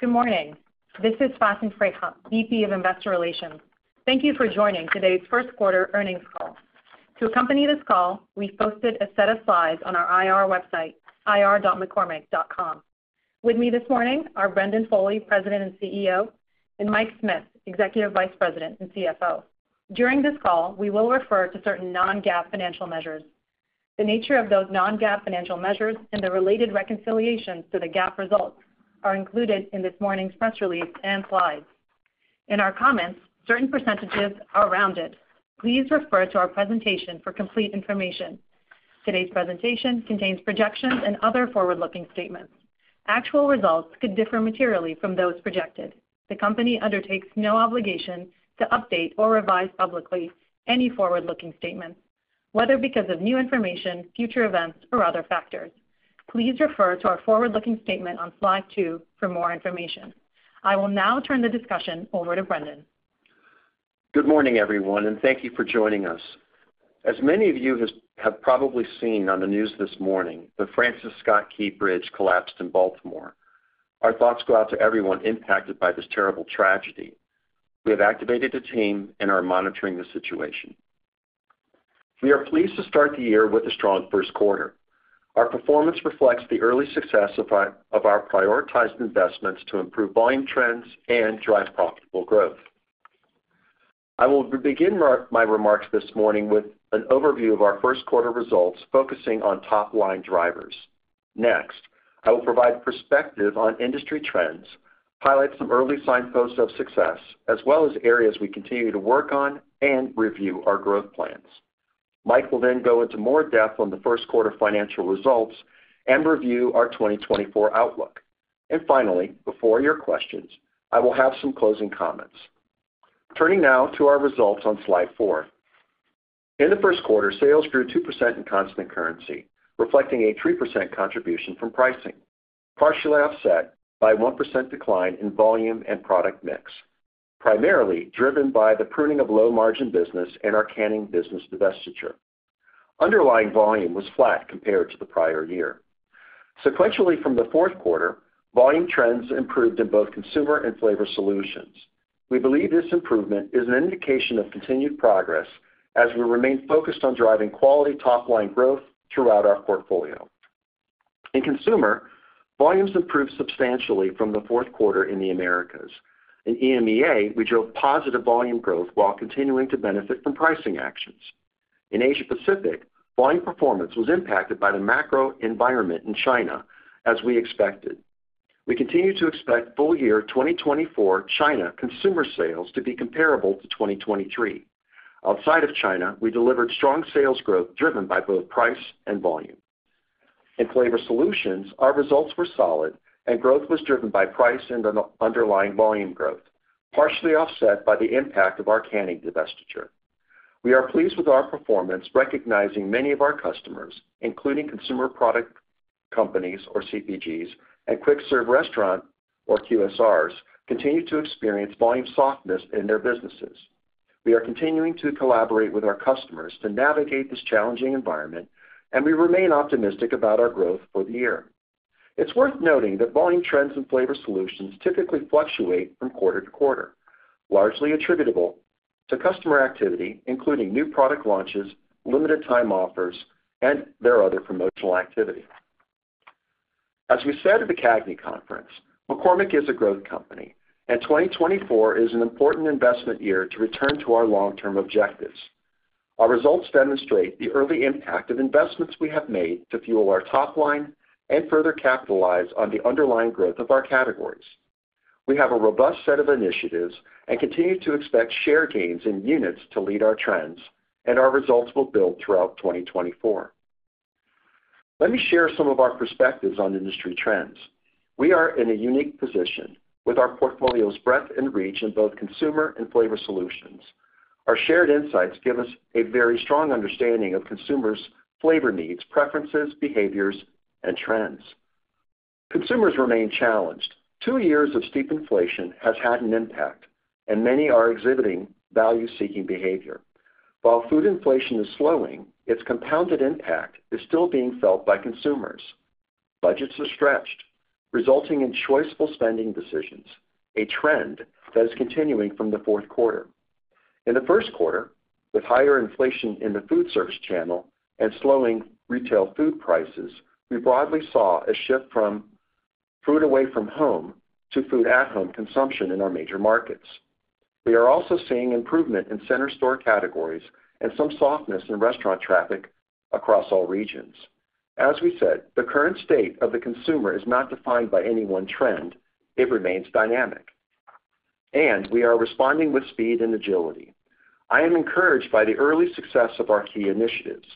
Good morning. This is Faten Freiha, VP of Investor Relations. Thank you for joining today's first quarter earnings call. To accompany this call, we've posted a set of slides on our IR website, ir.mccormick.com. With me this morning are Brendan Foley, President and CEO, and Mike Smith, Executive Vice President and CFO. During this call, we will refer to certain non-GAAP financial measures. The nature of those non-GAAP financial measures and the related reconciliations to the GAAP results are included in this morning's press release and slides. In our comments, certain percentages are rounded. Please refer to our presentation for complete information. Today's presentation contains projections and other forward-looking statements. Actual results could differ materially from those projected. The company undertakes no obligation to update or revise publicly any forward-looking statements, whether because of new information, future events, or other factors. Please refer to our forward-looking statement on slide two for more information. I will now turn the discussion over to Brendan. Good morning, everyone, and thank you for joining us. As many of you have probably seen on the news this morning, the Francis Scott Key Bridge collapsed in Baltimore. Our thoughts go out to everyone impacted by this terrible tragedy. We have activated the team and are monitoring the situation. We are pleased to start the year with a strong first quarter. Our performance reflects the early success of our prioritized investments to improve volume trends and drive profitable growth. I will begin my remarks this morning with an overview of our first quarter results, focusing on top-line drivers. Next, I will provide perspective on industry trends, highlight some early signposts of success, as well as areas we continue to work on and review our growth plans. Mike will then go into more depth on the first quarter financial results and review our 2024 outlook. Finally, before your questions, I will have some closing comments. Turning now to our results on slide four. In the first quarter, sales grew 2% in constant currency, reflecting a 3% contribution from pricing, partially offset by a 1% decline in volume and product mix, primarily driven by the pruning of low-margin business and our canning business divestiture. Underlying volume was flat compared to the prior year. Sequentially from the fourth quarter, volume trends improved in both Consumer and Flavor Solutions. We believe this improvement is an indication of continued progress as we remain focused on driving quality top-line growth throughout our portfolio. In Consumer, volumes improved substantially from the fourth quarter in the Americas. In EMEA, we drove positive volume growth while continuing to benefit from pricing actions. In Asia Pacific, volume performance was impacted by the macro environment in China, as we expected. We continue to expect full year 2024 China consumer sales to be comparable to 2023. Outside of China, we delivered strong sales growth, driven by both price and volume. In Flavor Solutions, our results were solid, and growth was driven by price and an underlying volume growth, partially offset by the impact of our canning divestiture. We are pleased with our performance, recognizing many of our customers, including consumer packaged goods, or CPGs, and quick-serve restaurants, or QSRs, continue to experience volume softness in their businesses. We are continuing to collaborate with our customers to navigate this challenging environment, and we remain optimistic about our growth for the year. It's worth noting that volume trends in Flavor Solutions typically fluctuate from quarter to quarter, largely attributable to customer activity, including new product launches, limited time offers, and their other promotional activity. As we said at the CAGNY conference, McCormick is a growth company, and 2024 is an important investment year to return to our long-term objectives. Our results demonstrate the early impact of investments we have made to fuel our top line and further capitalize on the underlying growth of our categories. We have a robust set of initiatives and continue to expect share gains in units to lead our trends, and our results will build throughout 2024. Let me share some of our perspectives on industry trends. We are in a unique position with our portfolio's breadth and reach in both Consumer and Flavor Solutions. Our shared insights give us a very strong understanding of consumers' flavor needs, preferences, behaviors, and trends. Consumers remain challenged. Two years of steep inflation has had an impact, and many are exhibiting value-seeking behavior. While food inflation is slowing, its compounded impact is still being felt by consumers. Budgets are stretched, resulting in choiceful spending decisions, a trend that is continuing from the fourth quarter. In the first quarter, with higher inflation in the food service channel and slowing retail food prices, we broadly saw a shift from food away from home to food at home consumption in our major markets. We are also seeing improvement in center store categories and some softness in restaurant traffic across all regions. As we said, the current state of the consumer is not defined by any one trend. It remains dynamic, and we are responding with speed and agility. I am encouraged by the early success of our key initiatives.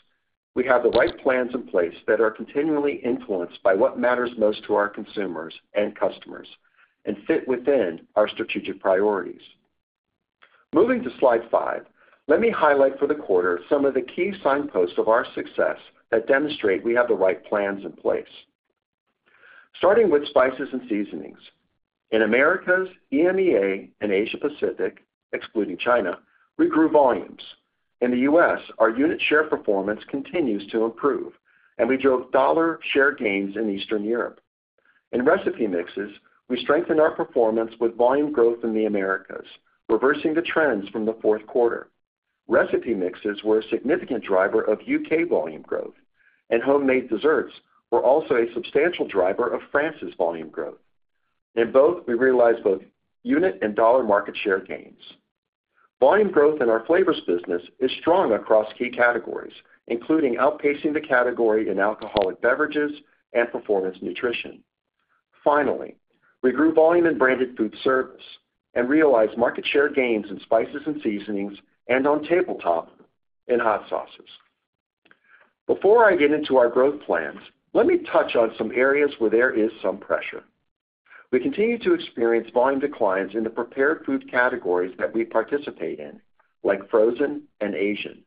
We have the right plans in place that are continually influenced by what matters most to our consumers and customers and fit within our strategic priorities. Moving to slide five, let me highlight for the quarter some of the key signposts of our success that demonstrate we have the right plans in place. Starting with spices and seasonings. In Americas, EMEA, and Asia Pacific, excluding China, we grew volumes. In the US, our unit share performance continues to improve, and we drove dollar share gains in Eastern Europe. In recipe mixes, we strengthened our performance with volume growth in the Americas, reversing the trends from the fourth quarter. Recipe mixes were a significant driver of UK volume growth, and homemade desserts were also a substantial driver of France's volume growth. In both, we realized both unit and dollar market share gains. Volume growth in our flavors business is strong across key categories, including outpacing the category in alcoholic beverages and performance nutrition. Finally, we grew volume in branded food service and realized market share gains in spices and seasonings and on tabletop and hot sauces. Before I get into our growth plans, let me touch on some areas where there is some pressure. We continue to experience volume declines in the prepared food categories that we participate in, like frozen and Asian.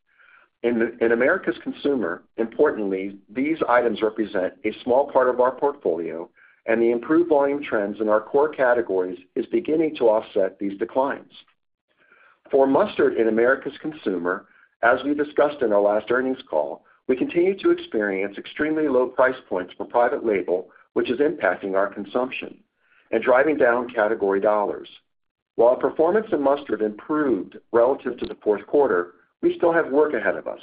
In Americas Consumer, importantly, these items represent a small part of our portfolio, and the improved volume trends in our core categories is beginning to offset these declines. For mustard in Americas Consumer, as we discussed in our last earnings call, we continue to experience extremely low price points for private label, which is impacting our consumption and driving down category dollars. While performance in mustard improved relative to the fourth quarter, we still have work ahead of us.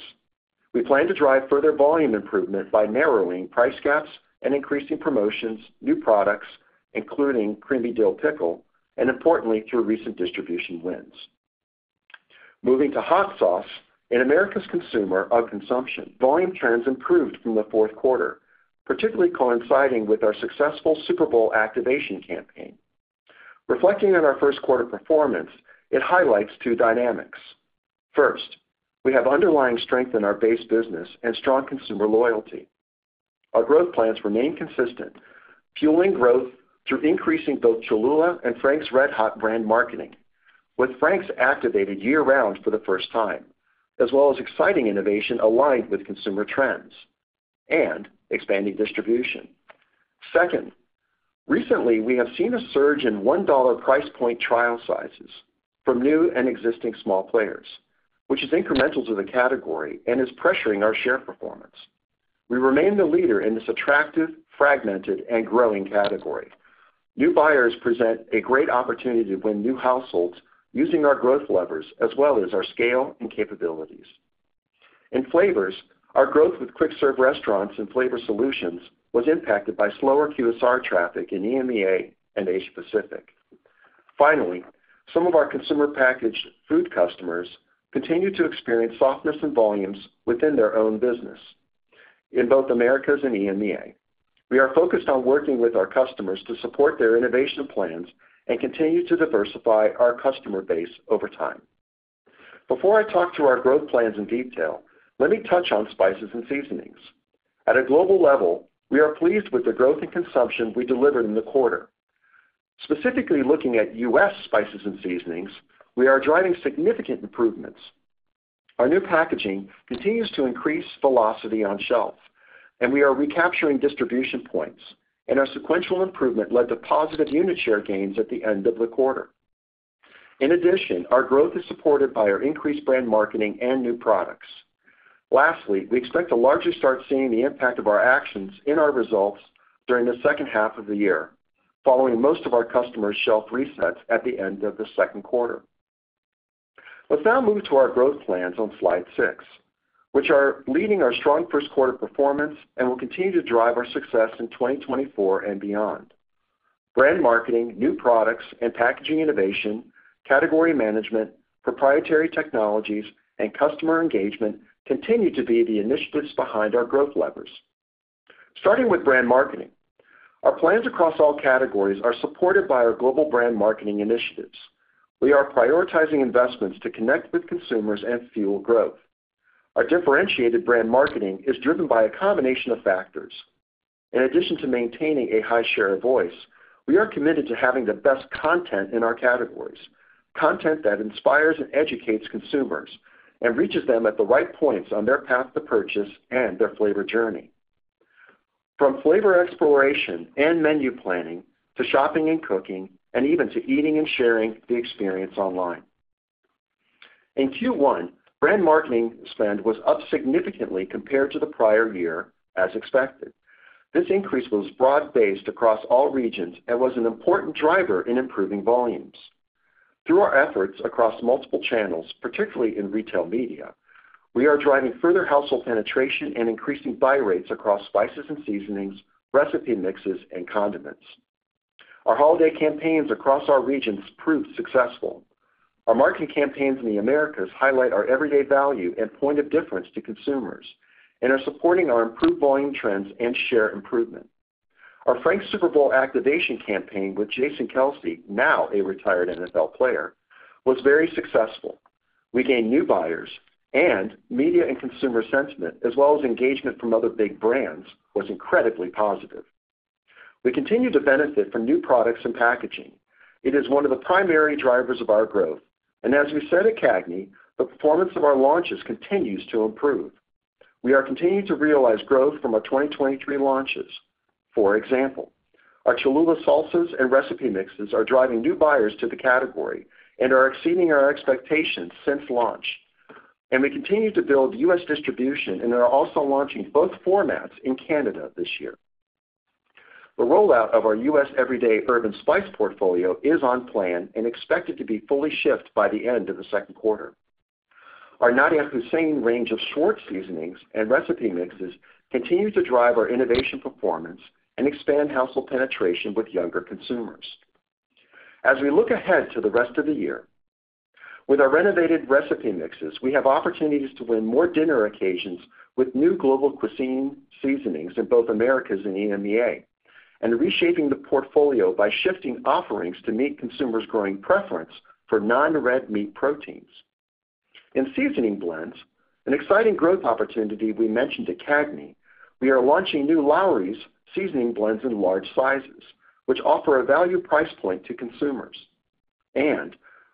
We plan to drive further volume improvement by narrowing price gaps and increasing promotions, new products, including creamy dill pickle, and importantly, through recent distribution wins. Moving to hot sauce. In Americas' consumer consumption, volume trends improved from the fourth quarter, particularly coinciding with our successful Super Bowl activation campaign. Reflecting on our first quarter performance, it highlights two dynamics. First, we have underlying strength in our base business and strong consumer loyalty. Our growth plans remain consistent, fueling growth through increasing both Cholula and Frank's RedHot brand marketing, with Frank's activated year-round for the first time, as well as exciting innovation aligned with consumer trends and expanding distribution. Second, recently, we have seen a surge in $1 price point trial sizes from new and existing small players, which is incremental to the category and is pressuring our share performance. We remain the leader in this attractive, fragmented, and growing category. New buyers present a great opportunity to win new households using our growth levers, as well as our scale and capabilities. In flavors, our growth with quick serve restaurants and flavor solutions was impacted by slower QSR traffic in EMEA and Asia Pacific. Finally, some of our consumer packaged food customers continue to experience softness in volumes within their own business in both Americas and EMEA. We are focused on working with our customers to support their innovation plans and continue to diversify our customer base over time. Before I talk through our growth plans in detail, let me touch on spices and seasonings. At a global level, we are pleased with the growth and consumption we delivered in the quarter. Specifically looking at U.S. spices and seasonings, we are driving significant improvements. Our new packaging continues to increase velocity on shelf, and we are recapturing distribution points, and our sequential improvement led to positive unit share gains at the end of the quarter. In addition, our growth is supported by our increased brand marketing and new products. Lastly, we expect to largely start seeing the impact of our actions in our results during the second half of the year, following most of our customers' shelf resets at the end of the second quarter. Let's now move to our growth plans on slide six, which are leading our strong first quarter performance and will continue to drive our success in 2024 and beyond. Brand marketing, new products and packaging innovation, category management, proprietary technologies, and customer engagement continue to be the initiatives behind our growth levers. Starting with brand marketing, our plans across all categories are supported by our global brand marketing initiatives. We are prioritizing investments to connect with consumers and fuel growth. Our differentiated brand marketing is driven by a combination of factors. In addition to maintaining a high share of voice, we are committed to having the best content in our categories, content that inspires and educates consumers and reaches them at the right points on their path to purchase and their flavor journey, from flavor exploration and menu planning, to shopping and cooking, and even to eating and sharing the experience online. In Q1, brand marketing spend was up significantly compared to the prior year, as expected. This increase was broad-based across all regions and was an important driver in improving volumes. Through our efforts across multiple channels, particularly in retail media, we are driving further household penetration and increasing buy rates across spices and seasonings, recipe mixes, and condiments. Our holiday campaigns across our regions proved successful. Our marketing campaigns in the Americas highlight our everyday value and point of difference to consumers and are supporting our improved volume trends and share improvement. Our Frank's Super Bowl activation campaign with Jason Kelce, now a retired NFL player, was very successful. We gained new buyers, and media and consumer sentiment, as well as engagement from other big brands, was incredibly positive. We continue to benefit from new products and packaging. It is one of the primary drivers of our growth, and as we said at CAGNY, the performance of our launches continues to improve. We are continuing to realize growth from our 2023 launches. For example, our Cholula salsas and recipe mixes are driving new buyers to the category and are exceeding our expectations since launch. We continue to build U.S. distribution and are also launching both formats in Canada this year. The rollout of our U.S. Everyday Herb and Spice portfolio is on plan and expected to be fully shipped by the end of the second quarter. Our Nadiya Hussain range of Schwartz seasonings and recipe mixes continue to drive our innovation performance and expand household penetration with younger consumers. As we look ahead to the rest of the year, with our renovated recipe mixes, we have opportunities to win more dinner occasions with new global cuisine seasonings in both Americas and EMEA, and reshaping the portfolio by shifting offerings to meet consumers' growing preference for non-red meat proteins. In seasoning blends, an exciting growth opportunity we mentioned at CAGNY, we are launching new Lawry's seasoning blends in large sizes, which offer a value price point to consumers.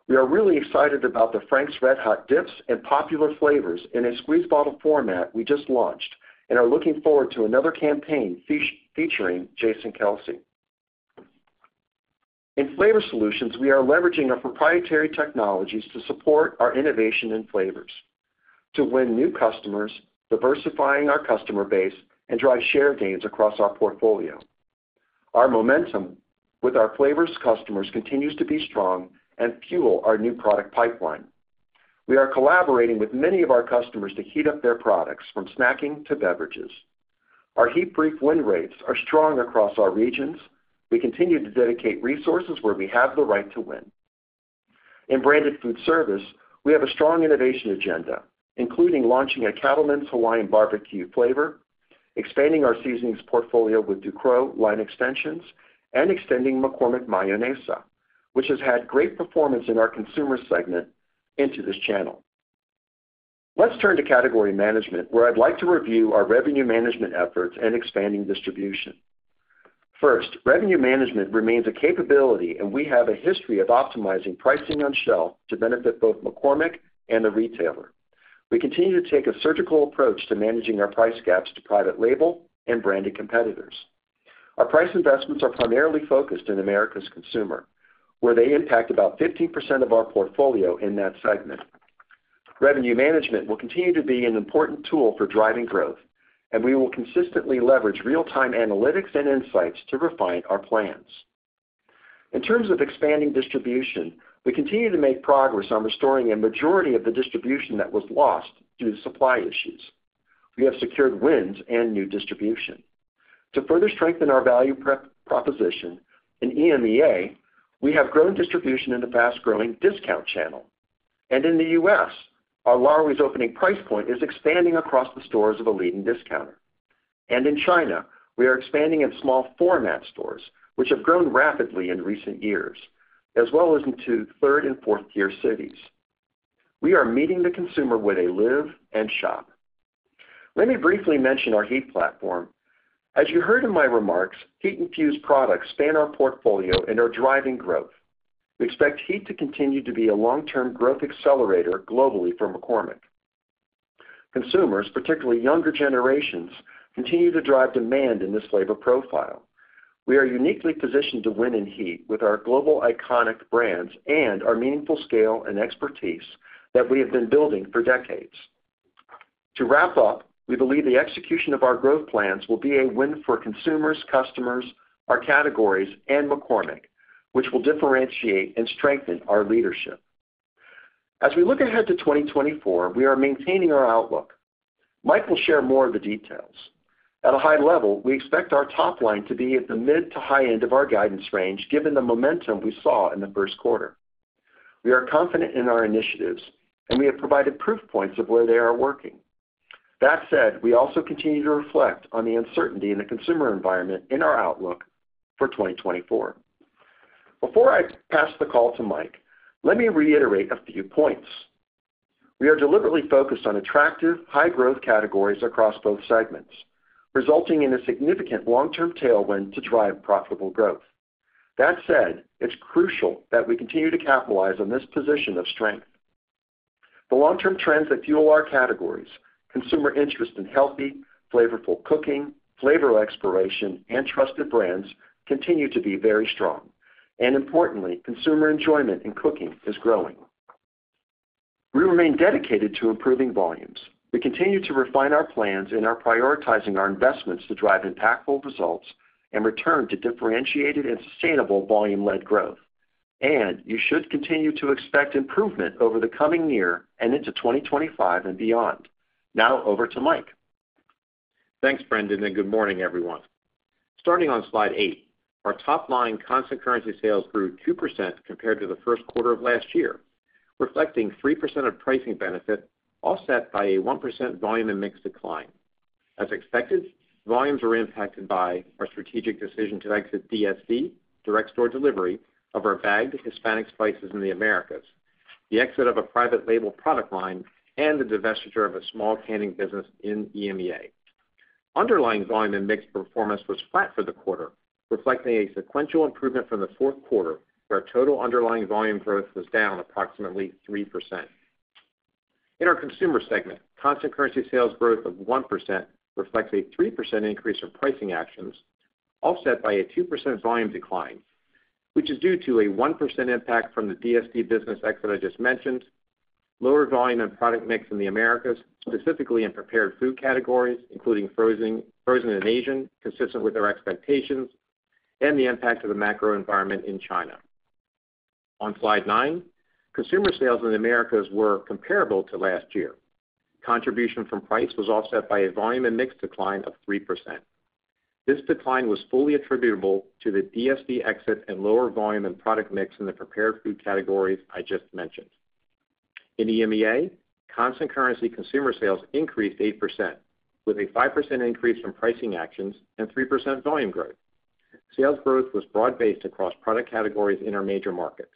We are really excited about the Frank's RedHot dips and popular flavors in a squeeze bottle format we just launched, and are looking forward to another campaign featuring Jason Kelce. In Flavor Solutions, we are leveraging our proprietary technologies to support our innovation in flavors, to win new customers, diversifying our customer base, and drive share gains across our portfolio. Our momentum with our flavors customers continues to be strong and fuel our new product pipeline. We are collaborating with many of our customers to heat up their products, from snacking to beverages. Our heat brief win rates are strong across our regions. We continue to dedicate resources where we have the right to win. In branded food service, we have a strong innovation agenda, including launching a Cattlemen's Hawaiian barbecue flavor, expanding our seasonings portfolio with Ducros line extensions, and extending McCormick Mayonesa, which has had great performance in our consumer segment into this channel. Let's turn to category management, where I'd like to review our revenue management efforts and expanding distribution. First, revenue management remains a capability, and we have a history of optimizing pricing on shelf to benefit both McCormick and the retailer. We continue to take a surgical approach to managing our price gaps to private label and branded competitors. Our price investments are primarily focused in Americas consumer, where they impact about 15% of our portfolio in that segment. Revenue management will continue to be an important tool for driving growth, and we will consistently leverage real-time analytics and insights to refine our plans. In terms of expanding distribution, we continue to make progress on restoring a majority of the distribution that was lost due to supply issues. We have secured wins and new distribution. To further strengthen our value proposition, in EMEA, we have grown distribution in the fast-growing discount channel. And in the U.S., our Lawry's opening price point is expanding across the stores of a leading discounter. And in China, we are expanding in small format stores, which have grown rapidly in recent years, as well as into third- and fourth-tier cities. We are meeting the consumer where they live and shop. Let me briefly mention our heat platform. As you heard in my remarks, heat-infused products span our portfolio and are driving growth. We expect heat to continue to be a long-term growth accelerator globally for McCormick. Consumers, particularly younger generations, continue to drive demand in this flavor profile. We are uniquely positioned to win in heat with our global iconic brands and our meaningful scale and expertise that we have been building for decades. To wrap up, we believe the execution of our growth plans will be a win for consumers, customers, our categories, and McCormick, which will differentiate and strengthen our leadership. As we look ahead to 2024, we are maintaining our outlook. Mike will share more of the details. At a high level, we expect our top line to be at the mid to high end of our guidance range, given the momentum we saw in the first quarter. We are confident in our initiatives, and we have provided proof points of where they are working. That said, we also continue to reflect on the uncertainty in the consumer environment in our outlook for 2024. Before I pass the call to Mike, let me reiterate a few points. We are deliberately focused on attractive, high-growth categories across both segments, resulting in a significant long-term tailwind to drive profitable growth. That said, it's crucial that we continue to capitalize on this position of strength. The long-term trends that fuel our categories, consumer interest in healthy, flavorful cooking, flavor exploration, and trusted brands, continue to be very strong. And importantly, consumer enjoyment in cooking is growing. We remain dedicated to improving volumes. We continue to refine our plans and are prioritizing our investments to drive impactful results and return to differentiated and sustainable volume-led growth. And you should continue to expect improvement over the coming year and into 2025 and beyond. Now over to Mike. Thanks, Brendan, and good morning, everyone. Starting on slide eight, our top-line constant currency sales grew 2% compared to the first quarter of last year, reflecting 3% of pricing benefit, offset by a 1% volume and mix decline. As expected, volumes were impacted by our strategic decision to exit DSD, direct store delivery, of our bagged Hispanic spices in the Americas, the exit of a private label product line, and the divestiture of a small canning business in EMEA. Underlying volume and mix performance was flat for the quarter, reflecting a sequential improvement from the fourth quarter, where our total underlying volume growth was down approximately 3%. In our consumer segment, constant currency sales growth of 1% reflects a 3% increase in pricing actions, offset by a 2% volume decline, which is due to a 1% impact from the DSD business exit I just mentioned, lower volume and product mix in the Americas, specifically in prepared food categories, including frozen and Asian, consistent with our expectations, and the impact of the macro environment in China. On slide nine, consumer sales in the Americas were comparable to last year. Contribution from price was offset by a volume and mix decline of 3%. This decline was fully attributable to the DSD exit and lower volume and product mix in the prepared food categories I just mentioned. In EMEA, constant currency consumer sales increased 8%, with a 5% increase in pricing actions and 3% volume growth. Sales growth was broad-based across product categories in our major markets.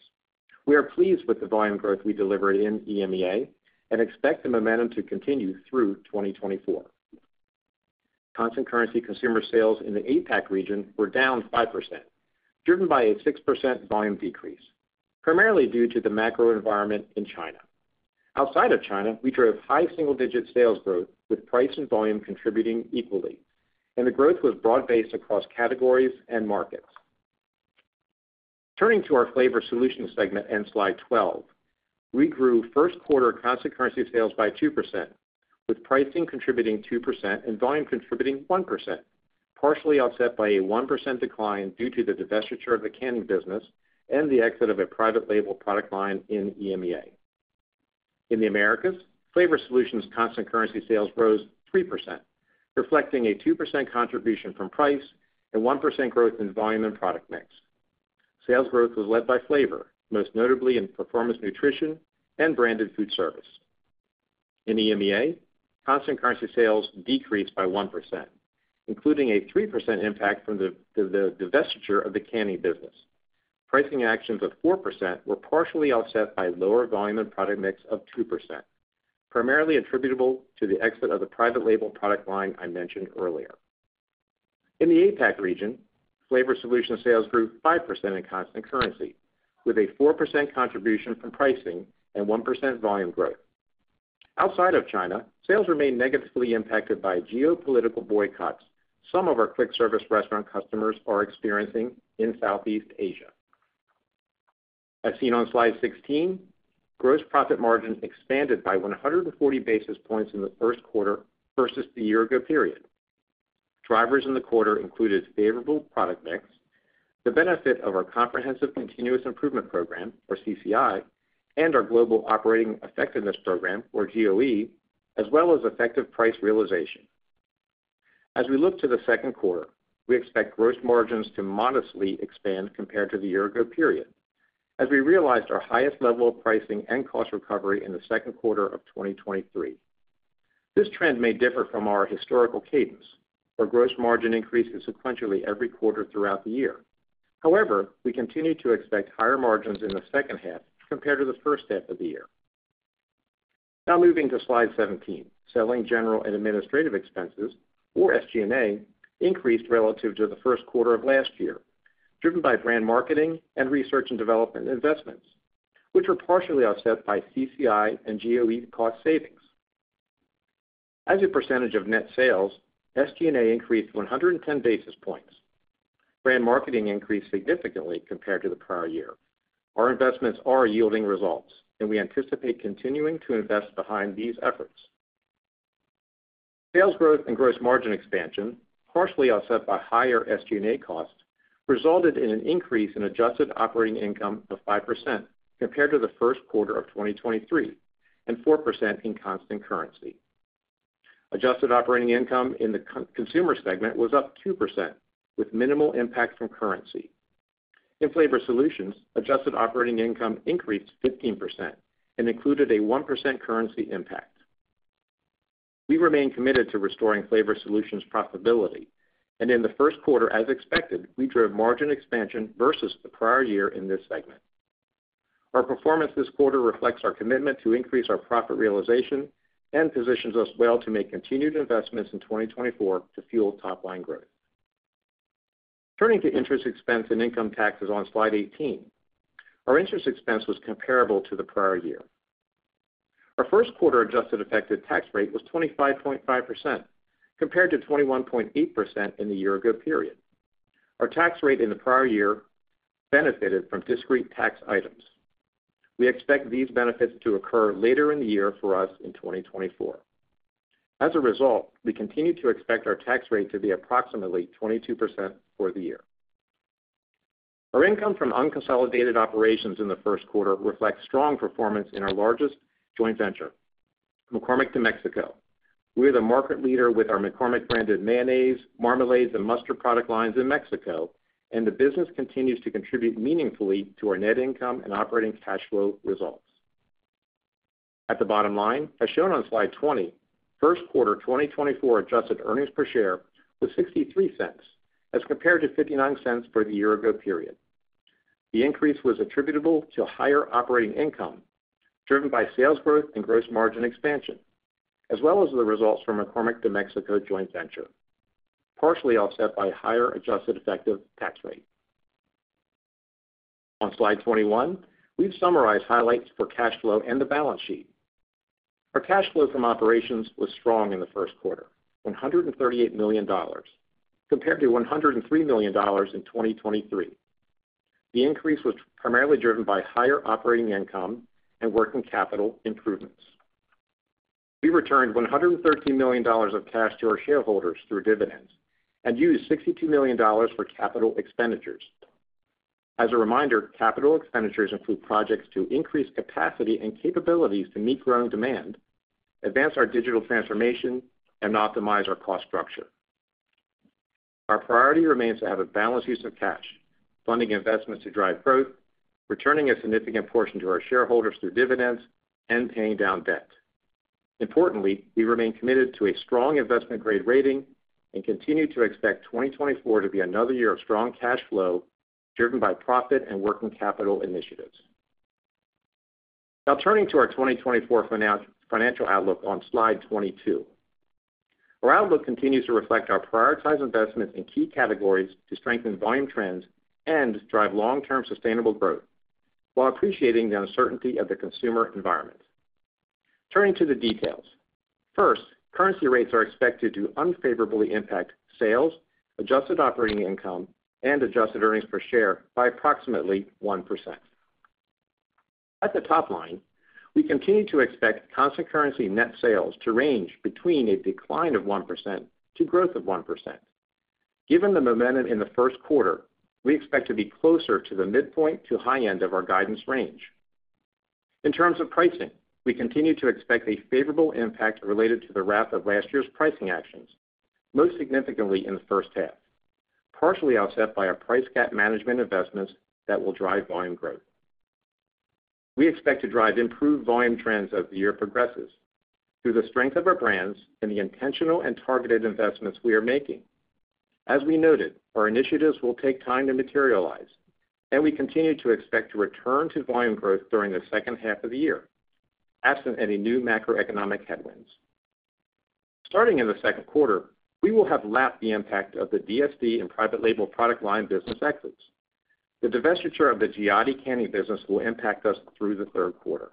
We are pleased with the volume growth we delivered in EMEA and expect the momentum to continue through 2024. Constant currency consumer sales in the APAC region were down 5%, driven by a 6% volume decrease, primarily due to the macro environment in China. Outside of China, we drove high single-digit sales growth, with price and volume contributing equally, and the growth was broad-based across categories and markets. Turning to our Flavor Solutions segment and slide 12, we grew first quarter constant currency sales by 2%, with pricing contributing 2% and volume contributing 1%, partially offset by a 1% decline due to the divestiture of the canning business and the exit of a private label product line in EMEA. In the Americas, Flavor Solutions' constant currency sales rose 3%, reflecting a 2% contribution from price and 1% growth in volume and product mix. Sales growth was led by flavor, most notably in performance nutrition and branded food service. In EMEA, constant currency sales decreased by 1%, including a 3% impact from the divestiture of the canning business. Pricing actions of 4% were partially offset by lower volume and product mix of 2%, primarily attributable to the exit of the private label product line I mentioned earlier. In the APAC region, Flavor Solutions sales grew 5% in constant currency, with a 4% contribution from pricing and 1% volume growth. Outside of China, sales remained negatively impacted by geopolitical boycotts some of our quick service restaurant customers are experiencing in Southeast Asia. As seen on slide 16, gross profit margin expanded by 140 basis points in the first quarter versus the year ago period. Drivers in the quarter included favorable product mix, the benefit of our comprehensive continuous improvement program, or CCI, and our global operating effectiveness program, or GOE, as well as effective price realization. As we look to the second quarter, we expect gross margins to modestly expand compared to the year ago period, as we realized our highest level of pricing and cost recovery in the second quarter of 2023. This trend may differ from our historical cadence, where gross margin increases sequentially every quarter throughout the year. However, we continue to expect higher margins in the second half compared to the first half of the year. Now moving to slide 17, Selling, General, and Administrative expenses, or SG&A, increased relative to the first quarter of last year, driven by brand marketing and research and development investments, which were partially offset by CCI and GOE cost savings. As a percentage of net sales, SG&A increased 110 basis points. Brand marketing increased significantly compared to the prior year. Our investments are yielding results, and we anticipate continuing to invest behind these efforts. Sales growth and gross margin expansion, partially offset by higher SG&A costs, resulted in an increase in adjusted operating income of 5% compared to the first quarter of 2023, and 4% in constant currency. Adjusted operating income in the consumer segment was up 2%, with minimal impact from currency. In Flavor Solutions, adjusted operating income increased 15% and included a 1% currency impact. We remain committed to restoring Flavor Solutions' profitability, and in the first quarter, as expected, we drove margin expansion versus the prior year in this segment. Our performance this quarter reflects our commitment to increase our profit realization and positions us well to make continued investments in 2024 to fuel top-line growth. Turning to interest expense and income taxes on slide 18, our interest expense was comparable to the prior year. Our first quarter adjusted effective tax rate was 25.5%, compared to 21.8% in the year ago period. Our tax rate in the prior year benefited from discrete tax items. We expect these benefits to occur later in the year for us in 2024. As a result, we continue to expect our tax rate to be approximately 22% for the year. Our income from unconsolidated operations in the first quarter reflects strong performance in our largest joint venture, McCormick de México. We are the market leader with our McCormick branded mayonnaise, marmalades, and mustard product lines in Mexico, and the business continues to contribute meaningfully to our net income and operating cash flow results. At the bottom line, as shown on slide 20, first quarter 2024 adjusted earnings per share was $0.63, as compared to $0.59 for the year-ago period. The increase was attributable to higher operating income, driven by sales growth and gross margin expansion, as well as the results from McCormick de México joint venture, partially offset by higher adjusted effective tax rate. On slide 21, we've summarized highlights for cash flow and the balance sheet. Our cash flow from operations was strong in the first quarter, $138 million, compared to $103 million in 2023. The increase was primarily driven by higher operating income and working capital improvements. We returned $113 million of cash to our shareholders through dividends and used $62 million for capital expenditures. As a reminder, capital expenditures include projects to increase capacity and capabilities to meet growing demand, advance our digital transformation, and optimize our cost structure. Our priority remains to have a balanced use of cash, funding investments to drive growth, returning a significant portion to our shareholders through dividends, and paying down debt. Importantly, we remain committed to a strong investment-grade rating and continue to expect 2024 to be another year of strong cash flow, driven by profit and working capital initiatives. Now turning to our 2024 financial outlook on slide 22. Our outlook continues to reflect our prioritized investments in key categories to strengthen volume trends and drive long-term sustainable growth, while appreciating the uncertainty of the consumer environment. Turning to the details. First, currency rates are expected to unfavorably impact sales, adjusted operating income, and adjusted earnings per share by approximately 1%. At the top line, we continue to expect constant currency net sales to range between a decline of 1% to growth of 1%. Given the momentum in the first quarter, we expect to be closer to the midpoint to high end of our guidance range. In terms of pricing, we continue to expect a favorable impact related to the wrap of last year's pricing actions, most significantly in the first half, partially offset by our price gap management investments that will drive volume growth. We expect to drive improved volume trends as the year progresses through the strength of our brands and the intentional and targeted investments we are making. As we noted, our initiatives will take time to materialize, and we continue to expect to return to volume growth during the second half of the year, absent any new macroeconomic headwinds. Starting in the second quarter, we will have lapped the impact of the DSD and private label product line business exits. The divestiture of the Giotti Canning business will impact us through the third quarter.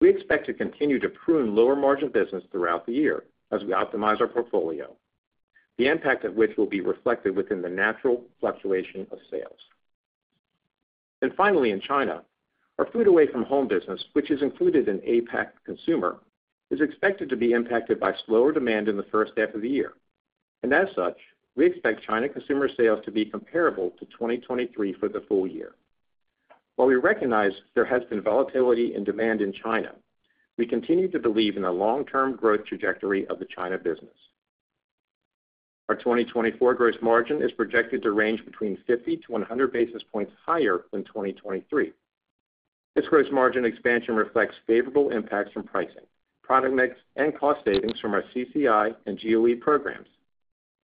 We expect to continue to prune lower-margin business throughout the year as we optimize our portfolio, the impact of which will be reflected within the natural fluctuation of sales. And finally, in China, our food away from home business, which is included in APAC Consumer, is expected to be impacted by slower demand in the first half of the year. And as such, we expect China consumer sales to be comparable to 2023 for the full year. While we recognize there has been volatility in demand in China, we continue to believe in the long-term growth trajectory of the China business. Our 2024 gross margin is projected to range between 50-100 basis points higher than 2023. This gross margin expansion reflects favorable impacts from pricing, product mix, and cost savings from our CCI and GOE programs,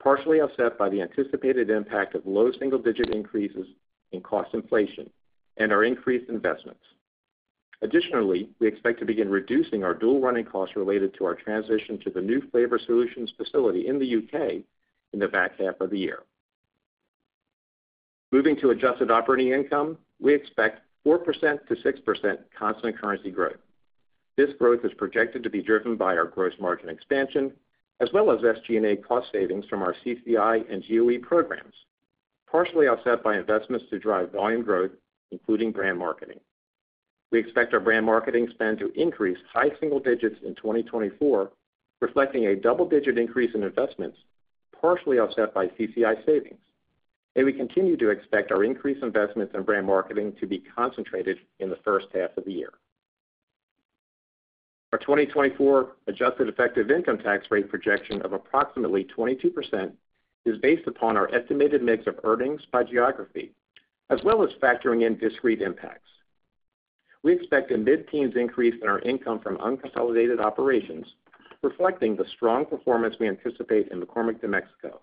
partially offset by the anticipated impact of low single-digit increases in cost inflation and our increased investments. Additionally, we expect to begin reducing our dual running costs related to our transition to the new Flavor Solutions facility in the UK in the back half of the year. Moving to adjusted operating income, we expect 4%-6% constant currency growth. This growth is projected to be driven by our gross margin expansion, as well as SG&A cost savings from our CCI and GOE programs, partially offset by investments to drive volume growth, including brand marketing. We expect our brand marketing spend to increase high single digits in 2024, reflecting a double-digit increase in investments, partially offset by CCI savings. We continue to expect our increased investments in brand marketing to be concentrated in the first half of the year. Our 2024 adjusted effective income tax rate projection of approximately 22% is based upon our estimated mix of earnings by geography, as well as factoring in discrete impacts. We expect a mid-teens increase in our income from unconsolidated operations, reflecting the strong performance we anticipate in McCormick de México.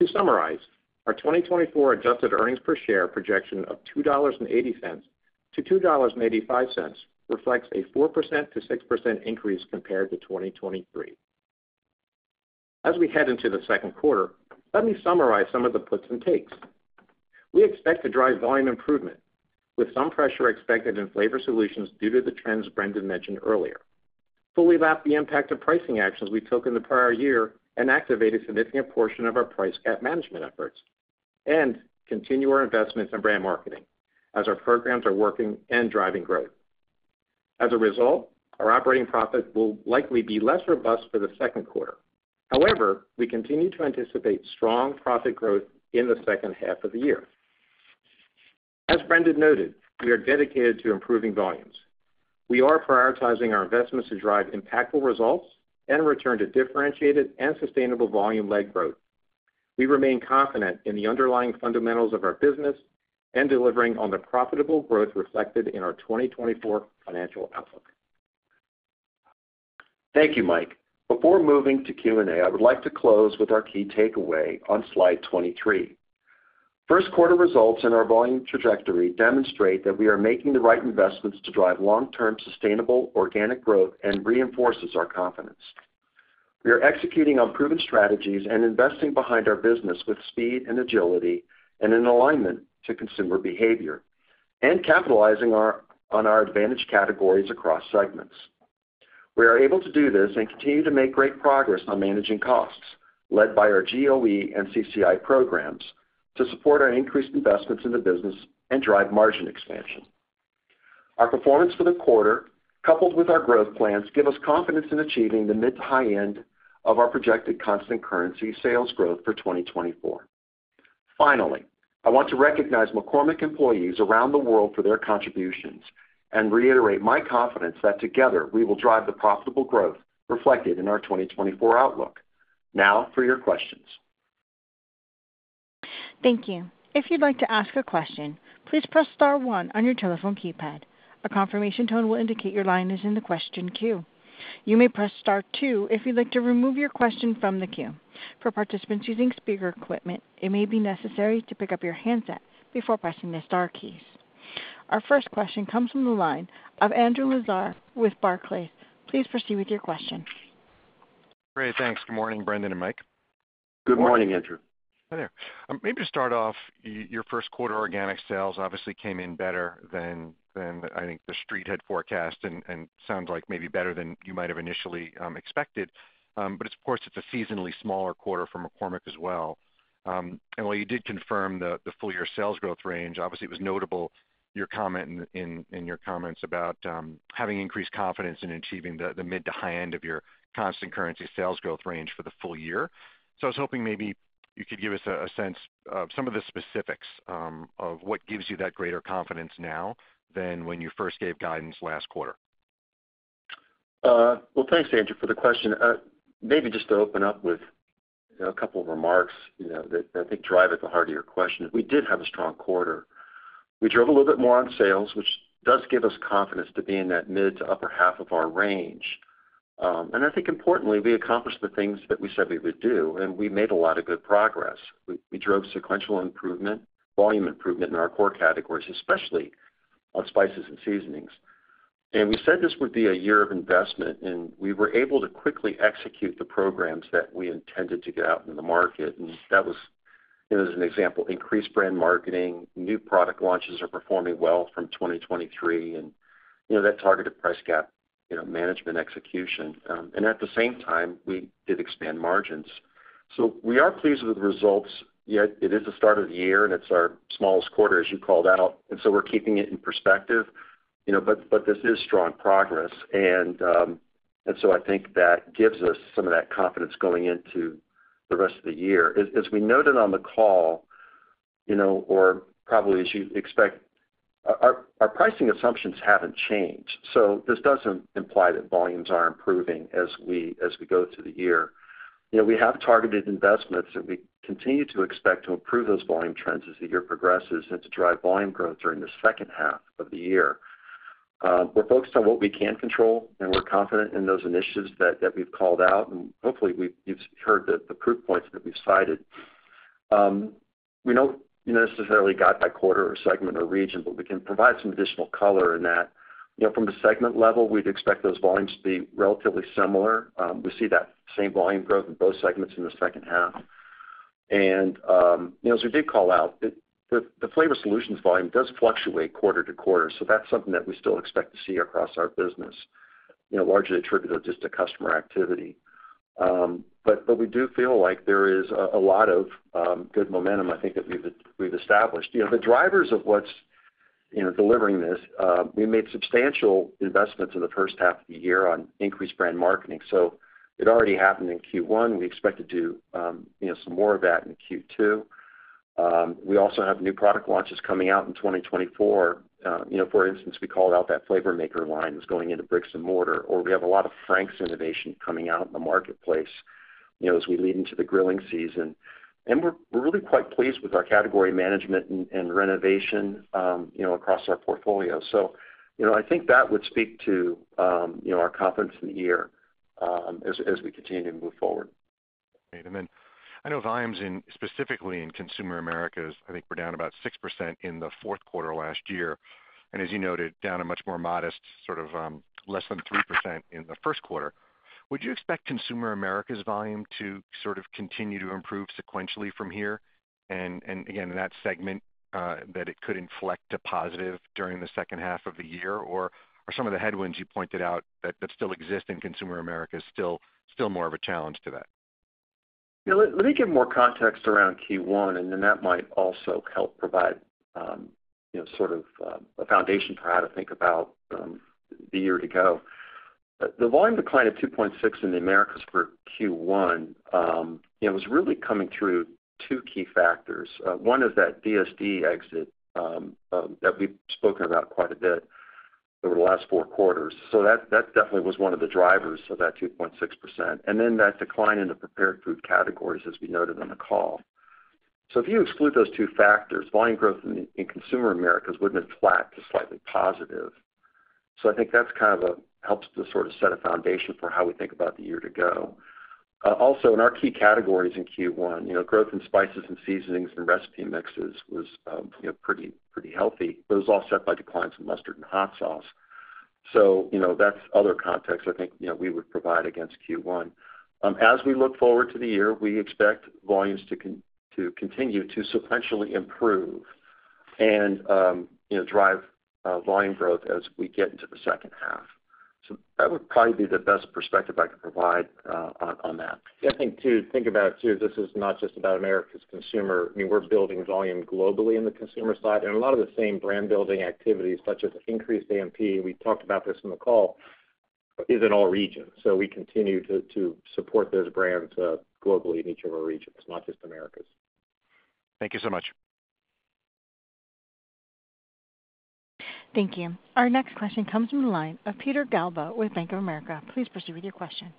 To summarize, our 2024 adjusted earnings per share projection of $2.80-$2.85 reflects a 4%-6% increase compared to 2023. As we head into the second quarter, let me summarize some of the puts and takes. We expect to drive volume improvement, with some pressure expected in Flavor Solutions due to the trends Brendan mentioned earlier. Fully lap the impact of pricing actions we took in the prior year and activate a significant portion of our price gap management efforts, and continue our investments in brand marketing as our programs are working and driving growth. As a result, our operating profit will likely be less robust for the second quarter. However, we continue to anticipate strong profit growth in the second half of the year. As Brendan noted, we are dedicated to improving volumes. We are prioritizing our investments to drive impactful results and return to differentiated and sustainable volume-led growth. We remain confident in the underlying fundamentals of our business and delivering on the profitable growth reflected in our 2024 financial outlook. Thank you, Mike. Before moving to Q&A, I would like to close with our key takeaway on slide 23. First quarter results and our volume trajectory demonstrate that we are making the right investments to drive long-term, sustainable organic growth and reinforces our confidence. We are executing on proven strategies and investing behind our business with speed and agility and in alignment to consumer behavior, and capitalizing on our advantage categories across segments. We are able to do this and continue to make great progress on managing costs, led by our GOE and CCI programs, to support our increased investments in the business and drive margin expansion. Our performance for the quarter, coupled with our growth plans, give us confidence in achieving the mid-to-high end of our projected constant currency sales growth for 2024. Finally, I want to recognize McCormick employees around the world for their contributions, and reiterate my confidence that together, we will drive the profitable growth reflected in our 2024 outlook. Now for your questions. Thank you. If you'd like to ask a question, please press star one on your telephone keypad. A confirmation tone will indicate your line is in the question queue. You may press star two if you'd like to remove your question from the queue. For participants using speaker equipment, it may be necessary to pick up your handset before pressing the star keys. Our first question comes from the line of Andrew Lazar with Barclays. Please proceed with your question. Great, thanks. Good morning, Brendan and Mike. Good morning, Andrew. Hi there. Maybe to start off, your first quarter organic sales obviously came in better than I think the street had forecast and sounds like maybe better than you might have initially expected. But it's, of course, a seasonally smaller quarter for McCormick as well. And while you did confirm the full year sales growth range, obviously, it was notable, your comment in your comments about having increased confidence in achieving the mid to high end of your constant currency sales growth range for the full year. So I was hoping maybe you could give us a sense of some of the specifics of what gives you that greater confidence now than when you first gave guidance last quarter. Well, thanks, Andrew, for the question. Maybe just to open up with, you know, a couple of remarks, you know, that I think drive at the heart of your question. We did have a strong quarter. We drove a little bit more on sales, which does give us confidence to be in that mid to upper half of our range. And I think importantly, we accomplished the things that we said we would do, and we made a lot of good progress. We drove sequential improvement, volume improvement in our core categories, especially on spices and seasonings. And we said this would be a year of investment, and we were able to quickly execute the programs that we intended to get out into the market. That was, you know, as an example, increased brand marketing, new product launches are performing well from 2023, and, you know, that targeted price gap, you know, management execution. And at the same time, we did expand margins. So we are pleased with the results, yet it is the start of the year, and it's our smallest quarter, as you called out, and so we're keeping it in perspective, you know, but, but this is strong progress. And, and so I think that gives us some of that confidence going into the rest of the year. As, as we noted on the call, you know, or probably as you expect, our, our pricing assumptions haven't changed, so this doesn't imply that volumes are improving as we, as we go through the year. You know, we have targeted investments, and we continue to expect to improve those volume trends as the year progresses and to drive volume growth during the second half of the year. We're focused on what we can control, and we're confident in those initiatives that, that we've called out, and hopefully, we've, you've heard the, the proof points that we've cited. We don't necessarily guide by quarter or segment or region, but we can provide some additional color in that. You know, from the segment level, we'd expect those volumes to be relatively similar. We see that same volume growth in both segments in the second half. You know, as we did call out, the, the flavor solutions volume does fluctuate quarter to quarter, so that's something that we still expect to see across our business, you know, largely attributed just to customer activity. But we do feel like there is a lot of good momentum, I think, that we've established. You know, the drivers of what's, you know, delivering this, we made substantial investments in the first half of the year on increased brand marketing, so it already happened in Q1. We expect to do, you know, some more of that in Q2. We also have new product launches coming out in 2024. You know, for instance, we called out that Flavor Maker line that's going into bricks and mortar, or we have a lot of Frank's innovation coming out in the marketplace, you know, as we lead into the grilling season. And we're really quite pleased with our category management and renovation, you know, across our portfolio. You know, I think that would speak to, you know, our confidence in the year, as we continue to move forward. Great. And then I know volumes in, specifically in Consumer Americas, I think were down about 6% in the fourth quarter last year, and as you noted, down a much more modest, sort of, less than 3% in the first quarter. Would you expect Consumer Americas volume to sort of continue to improve sequentially from here? And again, in that segment, that it could inflect to positive during the second half of the year, or are some of the headwinds you pointed out that still exist in Consumer Americas still more of a challenge to that? Yeah, let me give more context around Q1, and then that might also help provide, you know, sort of, a foundation for how to think about the year to go. The volume decline of 2.6 in the Americas for Q1, it was really coming through two key factors. One is that DSD exit, that we've spoken about quite a bit over the last four quarters. So that definitely was one of the drivers of that 2.6%, and then that decline in the prepared food categories, as we noted on the call. So if you exclude those two factors, volume growth in Consumer Americas wouldn't have flat to slightly positive. So I think that's kind of helps to sort of set a foundation for how we think about the year to go. Also, in our key categories in Q1, you know, growth in spices and seasonings and recipe mixes was, you know, pretty, pretty healthy, but it was offset by declines in mustard and hot sauce. So, you know, that's other context I think, you know, we would provide against Q1. As we look forward to the year, we expect volumes to continue to sequentially improve and, you know, drive volume growth as we get into the second half. So that would probably be the best perspective I could provide on that. Yeah, I think this is not just about Americas consumer. I mean, we're building volume globally in the consumer side, and a lot of the same brand building activities, such as increased A&P, we talked about this in the call, is in all regions. So we continue to support those brands globally in each of our regions, not just Americas. Thank you so much. Thank you. Our next question comes from the line of Peter Galbo with Bank of America. Please proceed with your question.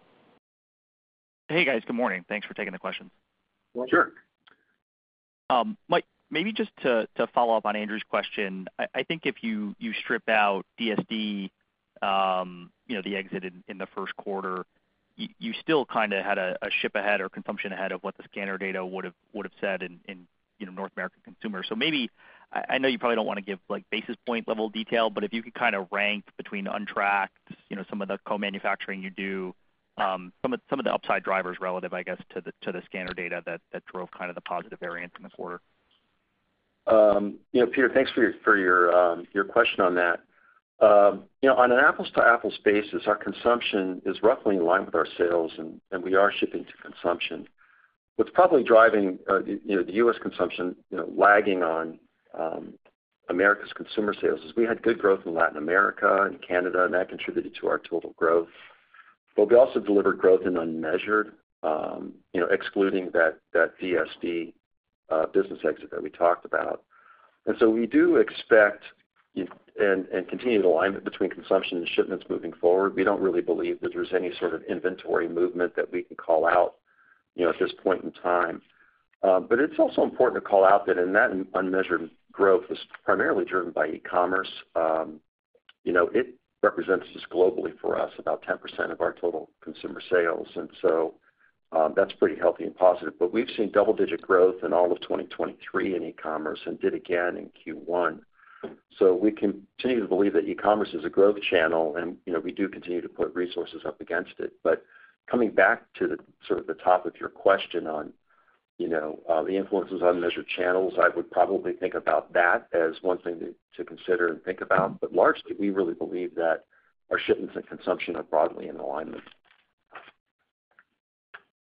Hey, guys, good morning. Thanks for taking the question. Sure. Mike, maybe just to follow up on Andrew's question. I think if you strip out DSD, you know, the exit in the first quarter, you still kind of had a ship ahead or consumption ahead of what the scanner data would've said in, you know, North American consumer. So maybe, I know you probably don't want to give, like, basis point level detail, but if you could kind of rank between untracked, you know, some of the co-manufacturing you do, some of the upside drivers relative, I guess, to the scanner data that drove kind of the positive variance in the quarter. You know, Peter, thanks for your, for your, your question on that. You know, on an apples-to-apples basis, our consumption is roughly in line with our sales, and, and we are shipping to consumption. What's probably driving, you know, the U.S. consumption, you know, lagging on, Americas' consumer sales is we had good growth in Latin America and Canada, and that contributed to our total growth. But we also delivered growth in unmeasured, you know, excluding that, that DSD, business exit that we talked about. And so we do expect, and, and continued alignment between consumption and shipments moving forward. We don't really believe that there's any sort of inventory movement that we can call out, you know, at this point in time. But it's also important to call out that in that unmeasured growth was primarily driven by e-commerce. You know, it represents just globally for us, about 10% of our total consumer sales, and so, that's pretty healthy and positive. But we've seen double-digit growth in all of 2023 in e-commerce and did again in Q1. So we continue to believe that e-commerce is a growth channel, and, you know, we do continue to put resources up against it. But coming back to the, sort of the top of your question on, you know, the influences on measured channels, I would probably think about that as one thing to consider and think about. But largely, we really believe that our shipments and consumption are broadly in alignment.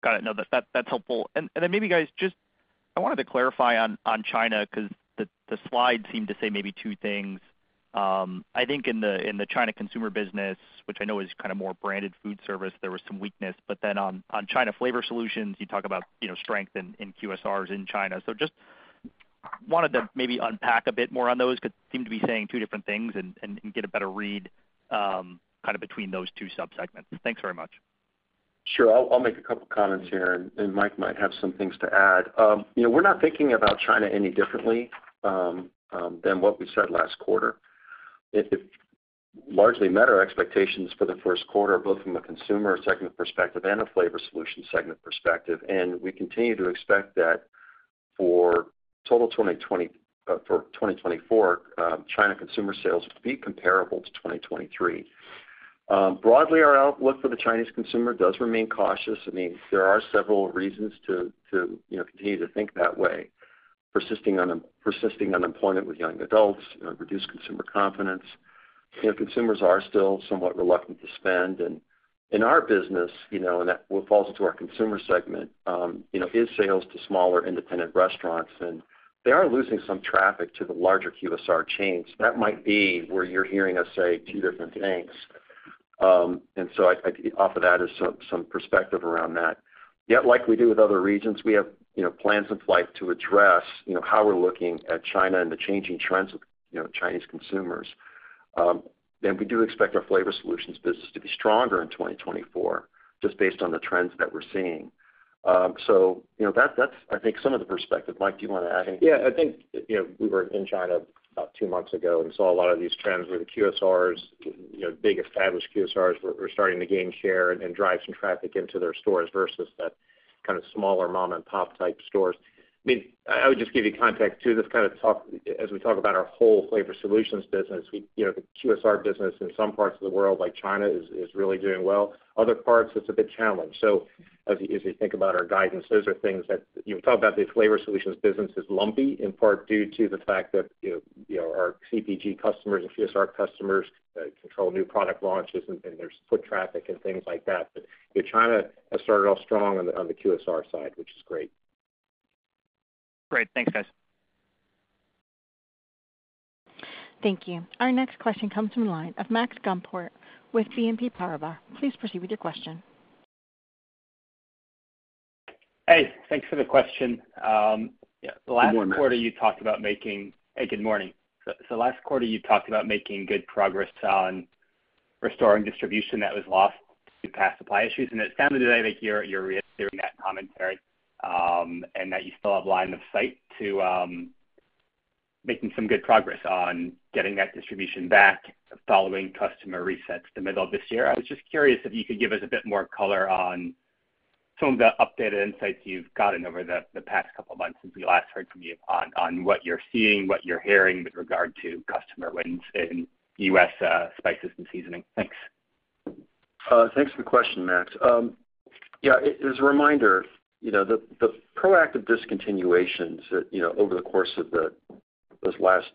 Got it. No, that's helpful. And then maybe, guys, just I wanted to clarify on China, because the slide seemed to say maybe two things. I think in the China consumer business, which I know is kind of more branded food service, there was some weakness. But then on China Flavor Solutions, you talk about, you know, strength in QSRs in China. So just wanted to maybe unpack a bit more on those, because they seem to be saying two different things and get a better read, kind of between those two subsegments. Thanks very much. Sure. I'll make a couple comments here, and Mike might have some things to add. You know, we're not thinking about China any differently than what we said last quarter. It largely met our expectations for the first quarter, both from a consumer segment perspective and a flavor solution segment perspective, and we continue to expect that for total 2024, China consumer sales to be comparable to 2023. Broadly, our outlook for the Chinese consumer does remain cautious. I mean, there are several reasons to continue to think that way. Persisting unemployment with young adults, you know, reduced consumer confidence. You know, consumers are still somewhat reluctant to spend, and in our business, you know, and that falls into our consumer segment, you know, is sales to smaller independent restaurants, and they are losing some traffic to the larger QSR chains. That might be where you're hearing us say two different things. And so off of that is some perspective around that. Yet, like we do with other regions, we have, you know, plans in flight to address, you know, how we're looking at China and the changing trends of, you know, Chinese consumers. And we do expect our flavor solutions business to be stronger in 2024, just based on the trends that we're seeing. So you know, that's, I think, some of the perspective. Mike, do you want to add anything? Yeah, I think, you know, we were in China about two months ago and saw a lot of these trends where the QSRs, you know, big established QSRs were starting to gain share and drive some traffic into their stores versus the kind of smaller mom-and-pop-type stores. I mean, I would just give you context, too. This kind of talk, as we talk about our whole flavor solutions business, we, you know, the QSR business in some parts of the world, like China, is really doing well. Other parts, it's a bit challenged. So as you think about our guidance, those are things that, you know, we talk about the flavor solutions business is lumpy, in part due to the fact that, you know, our CPG customers and QSR customers control new product launches, and there's foot traffic and things like that. But, you know, China has started off strong on the QSR side, which is great. Great. Thanks, guys. Thank you. Our next question comes from the line of Max Gumport with BNP Paribas. Please proceed with your question. Hey, thanks for the question. Yeah. Good morning, Max. Hey, good morning. So last quarter, you talked about making good progress on restoring distribution that was lost to past supply issues, and it's sounded today like you're reiterating that commentary, and that you still have line of sight to making some good progress on getting that distribution back following customer resets the middle of this year. I was just curious if you could give us a bit more color on some of the updated insights you've gotten over the past couple of months since we last heard from you on what you're seeing, what you're hearing with regard to customer wins in U.S. spices and seasoning. Thanks. Thanks for the question, Max. Yeah, as a reminder, you know, the proactive discontinuations that, you know, over the course of those last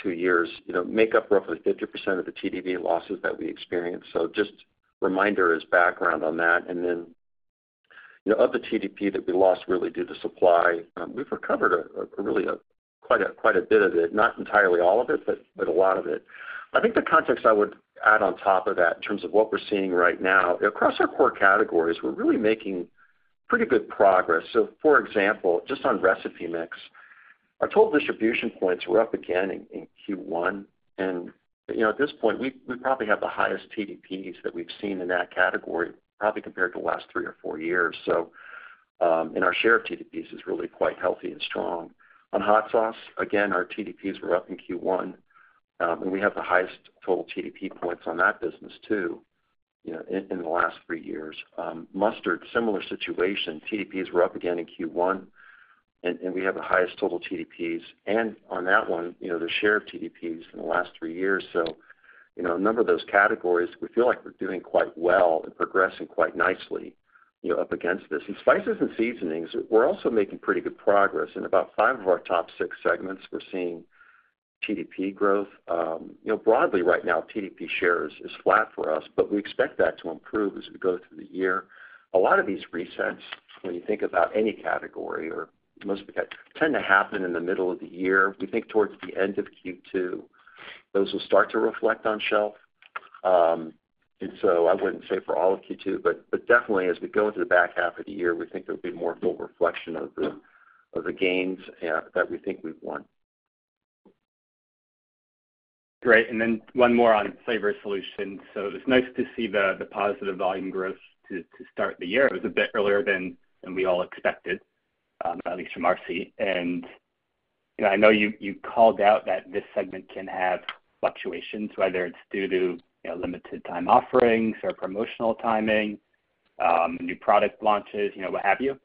two years, you know, make up roughly 50% of the TDP losses that we experienced. So just reminder as background on that. And then, you know, of the TDP that we lost really due to supply, we've recovered a really quite a bit of it, not entirely all of it, but a lot of it. I think the context I would add on top of that in terms of what we're seeing right now, across our core categories, we're really making pretty good progress. So for example, just on recipe mix, our total distribution points were up again in Q1. You know, at this point, we probably have the highest TDPs that we've seen in that category, probably compared to the last 3 or 4 years. So, and our share of TDPs is really quite healthy and strong. On hot sauce, again, our TDPs were up in Q1, and we have the highest total TDP points on that business, too, you know, in the last 3 years. Mustard, similar situation. TDPs were up again in Q1, and we have the highest total TDPs. And on that one, you know, the share of TDPs in the last 3 years. So, you know, a number of those categories, we feel like we're doing quite well and progressing quite nicely, you know, up against this. In spices and seasonings, we're also making pretty good progress. In about five of our top six segments, we're seeing TDP growth. You know, broadly right now, TDP shares is flat for us, but we expect that to improve as we go through the year. A lot of these resets, when you think about any category or most of the categories tend to happen in the middle of the year. We think towards the end of Q2, those will start to reflect on shelf. And so I wouldn't say for all of Q2, but, but definitely as we go into the back half of the year, we think there'll be more full reflection of the, of the gains, that we think we've won. Great. And then one more on Flavor Solutions. So it's nice to see the positive volume growth to start the year. It was a bit earlier than we all expected, at least from our seat. And, you know, I know you called out that this segment can have fluctuations, whether it's due to, you know, limited time offerings or promotional timing, new product launches, you know, what have you.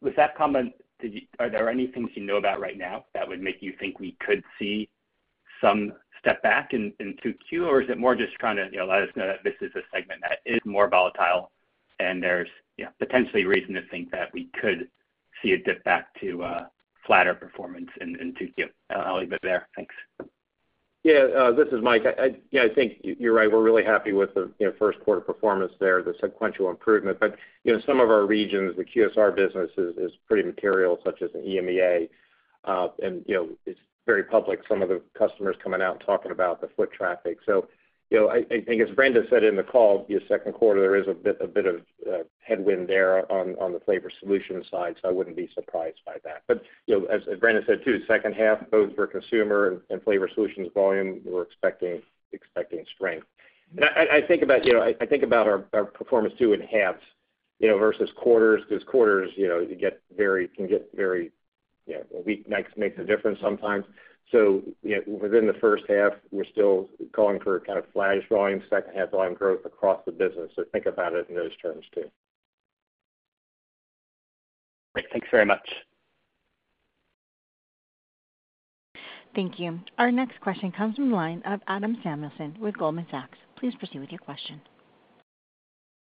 With that comment, did you are there any things you know about right now that would make you think we could see some step back in Q2? Or is it more just trying to, you know, let us know that this is a segment that is more volatile, and there's, you know, potentially reason to think that we could see a dip back to flatter performance in Q2? I'll leave it there. Thanks. Yeah, this is Mike. I think you're right. We're really happy with the, you know, first quarter performance there, the sequential improvement. But, you know, some of our regions, the QSR business is pretty material, such as in EMEA, and, you know, it's very public, some of the customers coming out and talking about the foot traffic. So, you know, I think as Brandon said in the call, the second quarter, there is a bit of headwind there on the Flavor Solutions side, so I wouldn't be surprised by that. But, you know, as Brandon said, too, second half, both for consumer and Flavor Solutions volume, we're expecting strength. And I think about, you know, I think about our performance, too, in halves, you know, versus quarters, because quarters, you know, you can get very, you know, a week makes a difference sometimes. So, you know, within the first half, we're still going for kind of flat volume, second half volume growth across the business. So think about it in those terms, too. Great. Thank you very much. Thank you. Our next question comes from the line of Adam Samuelson with Goldman Sachs. Please proceed with your question.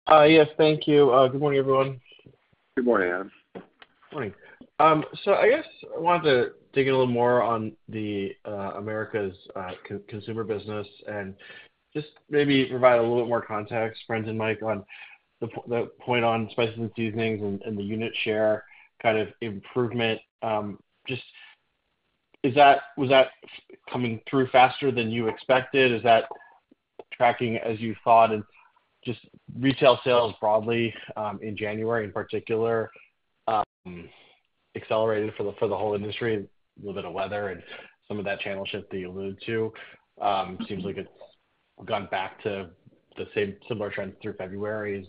Yes, thank you. Good morning, everyone. Good morning, Adam. Morning. So I guess I wanted to dig in a little more on the Americas consumer business and just maybe provide a little bit more context, Brendan, Mike, on the point on spices and seasonings and the unit share kind of improvement. Just, is that was that coming through faster than you expected? Is that tracking as you thought? And just retail sales broadly in January in particular accelerated for the whole industry with a bit of weather and some of that channel shift that you alluded to. Seems like it's gone back to the same similar trend through February. Is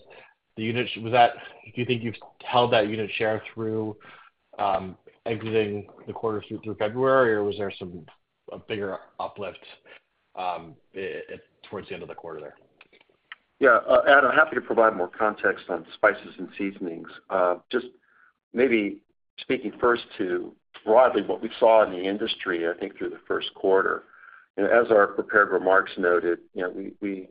the unit was that. Do you think you've held that unit share through exiting the quarter through February, or was there some a bigger uplift towards the end of the quarter there? Yeah. Adam, happy to provide more context on spices and seasonings. Just maybe speaking first to broadly what we saw in the industry, I think, through the first quarter. You know, as our prepared remarks noted, you know, we,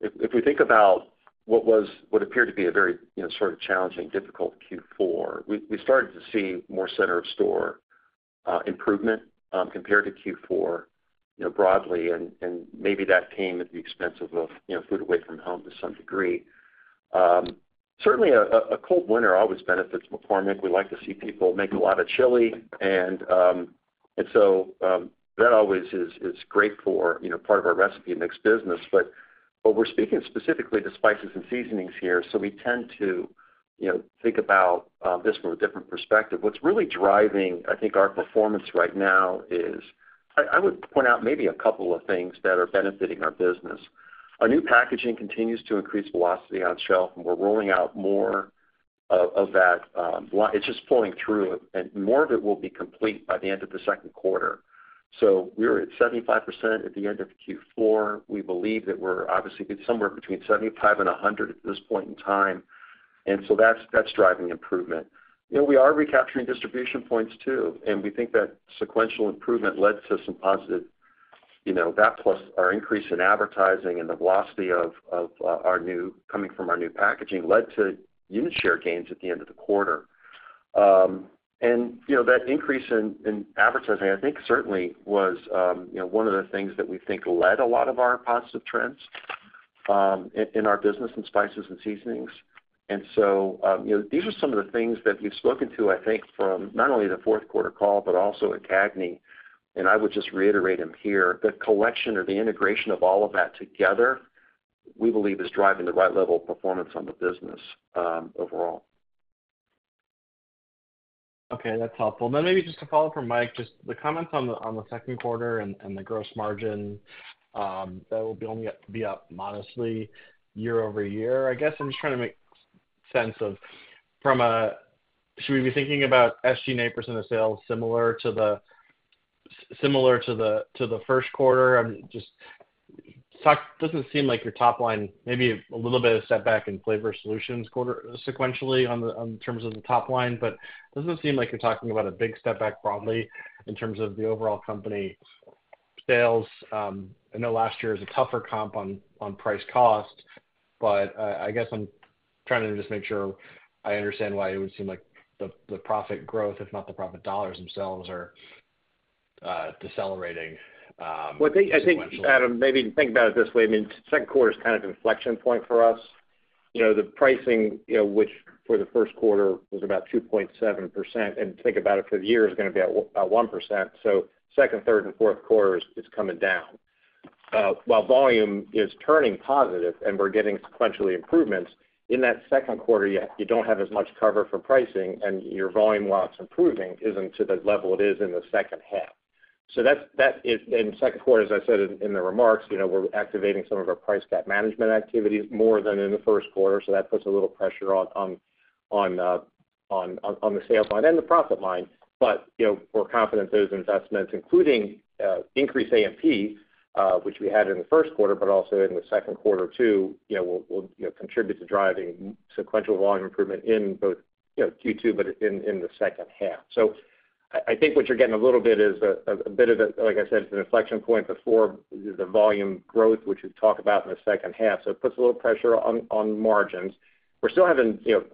if we think about what was, what appeared to be a very, you know, sort of challenging, difficult Q4, we started to see more center-of-store improvement compared to Q4, you know, broadly, and maybe that came at the expense of, you know, food away from home to some degree. Certainly a cold winter always benefits McCormick. We like to see people make a lot of chili. And so that always is great for, you know, part of our recipe mix business. But we're speaking specifically to spices and seasonings here, so we tend to... You know, think about this from a different perspective. What's really driving, I think, our performance right now is, I would point out maybe a couple of things that are benefiting our business. Our new packaging continues to increase velocity on shelf, and we're rolling out more of that, it's just pulling through, and more of it will be complete by the end of the second quarter. So we're at 75% at the end of Q4. We believe that we're obviously somewhere between 75 and 100 at this point in time, and so that's driving improvement. You know, we are recapturing distribution points, too, and we think that sequential improvement led to some positive, you know, that plus our increase in advertising and the velocity of our new packaging led to unit share gains at the end of the quarter. And, you know, that increase in advertising, I think, certainly was, you know, one of the things that we think led a lot of our positive trends in our business in spices and seasonings. And so, you know, these are some of the things that we've spoken to, I think, from not only the fourth quarter call, but also at CAGNY, and I would just reiterate them here. The collection or the integration of all of that together, we believe is driving the right level of performance on the business, overall. Okay, that's helpful. And then maybe just a follow-up from Mike, just the comments on the, on the second quarter and, and the gross margin, that will be only up, be up modestly year-over-year. I guess I'm just trying to make sense of from a, should we be thinking about SG&A percent of sales similar to the, similar to the, to the first quarter? I'm just, stock doesn't seem like your top line, maybe a little bit of setback in Flavor Solutions quarter sequentially on the, on terms of the top line, but doesn't seem like you're talking about a big step back broadly in terms of the overall company sales. I know last year was a tougher comp on, on price cost, but I guess I'm trying to just make sure I understand why it would seem like the, the profit growth, if not the profit dollars themselves, are decelerating sequentially? Well, I think, I think, Adam, maybe think about it this way. I mean, second quarter is kind of an inflection point for us. You know, the pricing, you know, which for the first quarter was about 2.7%, and think about it, for the year is gonna be at, at 1%. So second, third, and fourth quarter is, is coming down. While volume is turning positive and we're getting sequentially improvements, in that second quarter, you, you don't have as much cover for pricing, and your volume while it's improving, isn't to the level it is in the second half. So that's, that is, in the second quarter, as I said in the remarks, you know, we're activating some of our price gap management activities more than in the first quarter, so that puts a little pressure on the sales line and the profit line. But, you know, we're confident those investments, including increased A&P, which we had in the first quarter, but also in the second quarter, too, you know, will, you know, contribute to driving sequential volume improvement in both Q2 and the second half. So I, I think what you're getting a little bit is a bit of a, like I said, it's an inflection point before the volume growth, which we'll talk about in the second half. So it puts a little pressure on margins. We're still having, you know,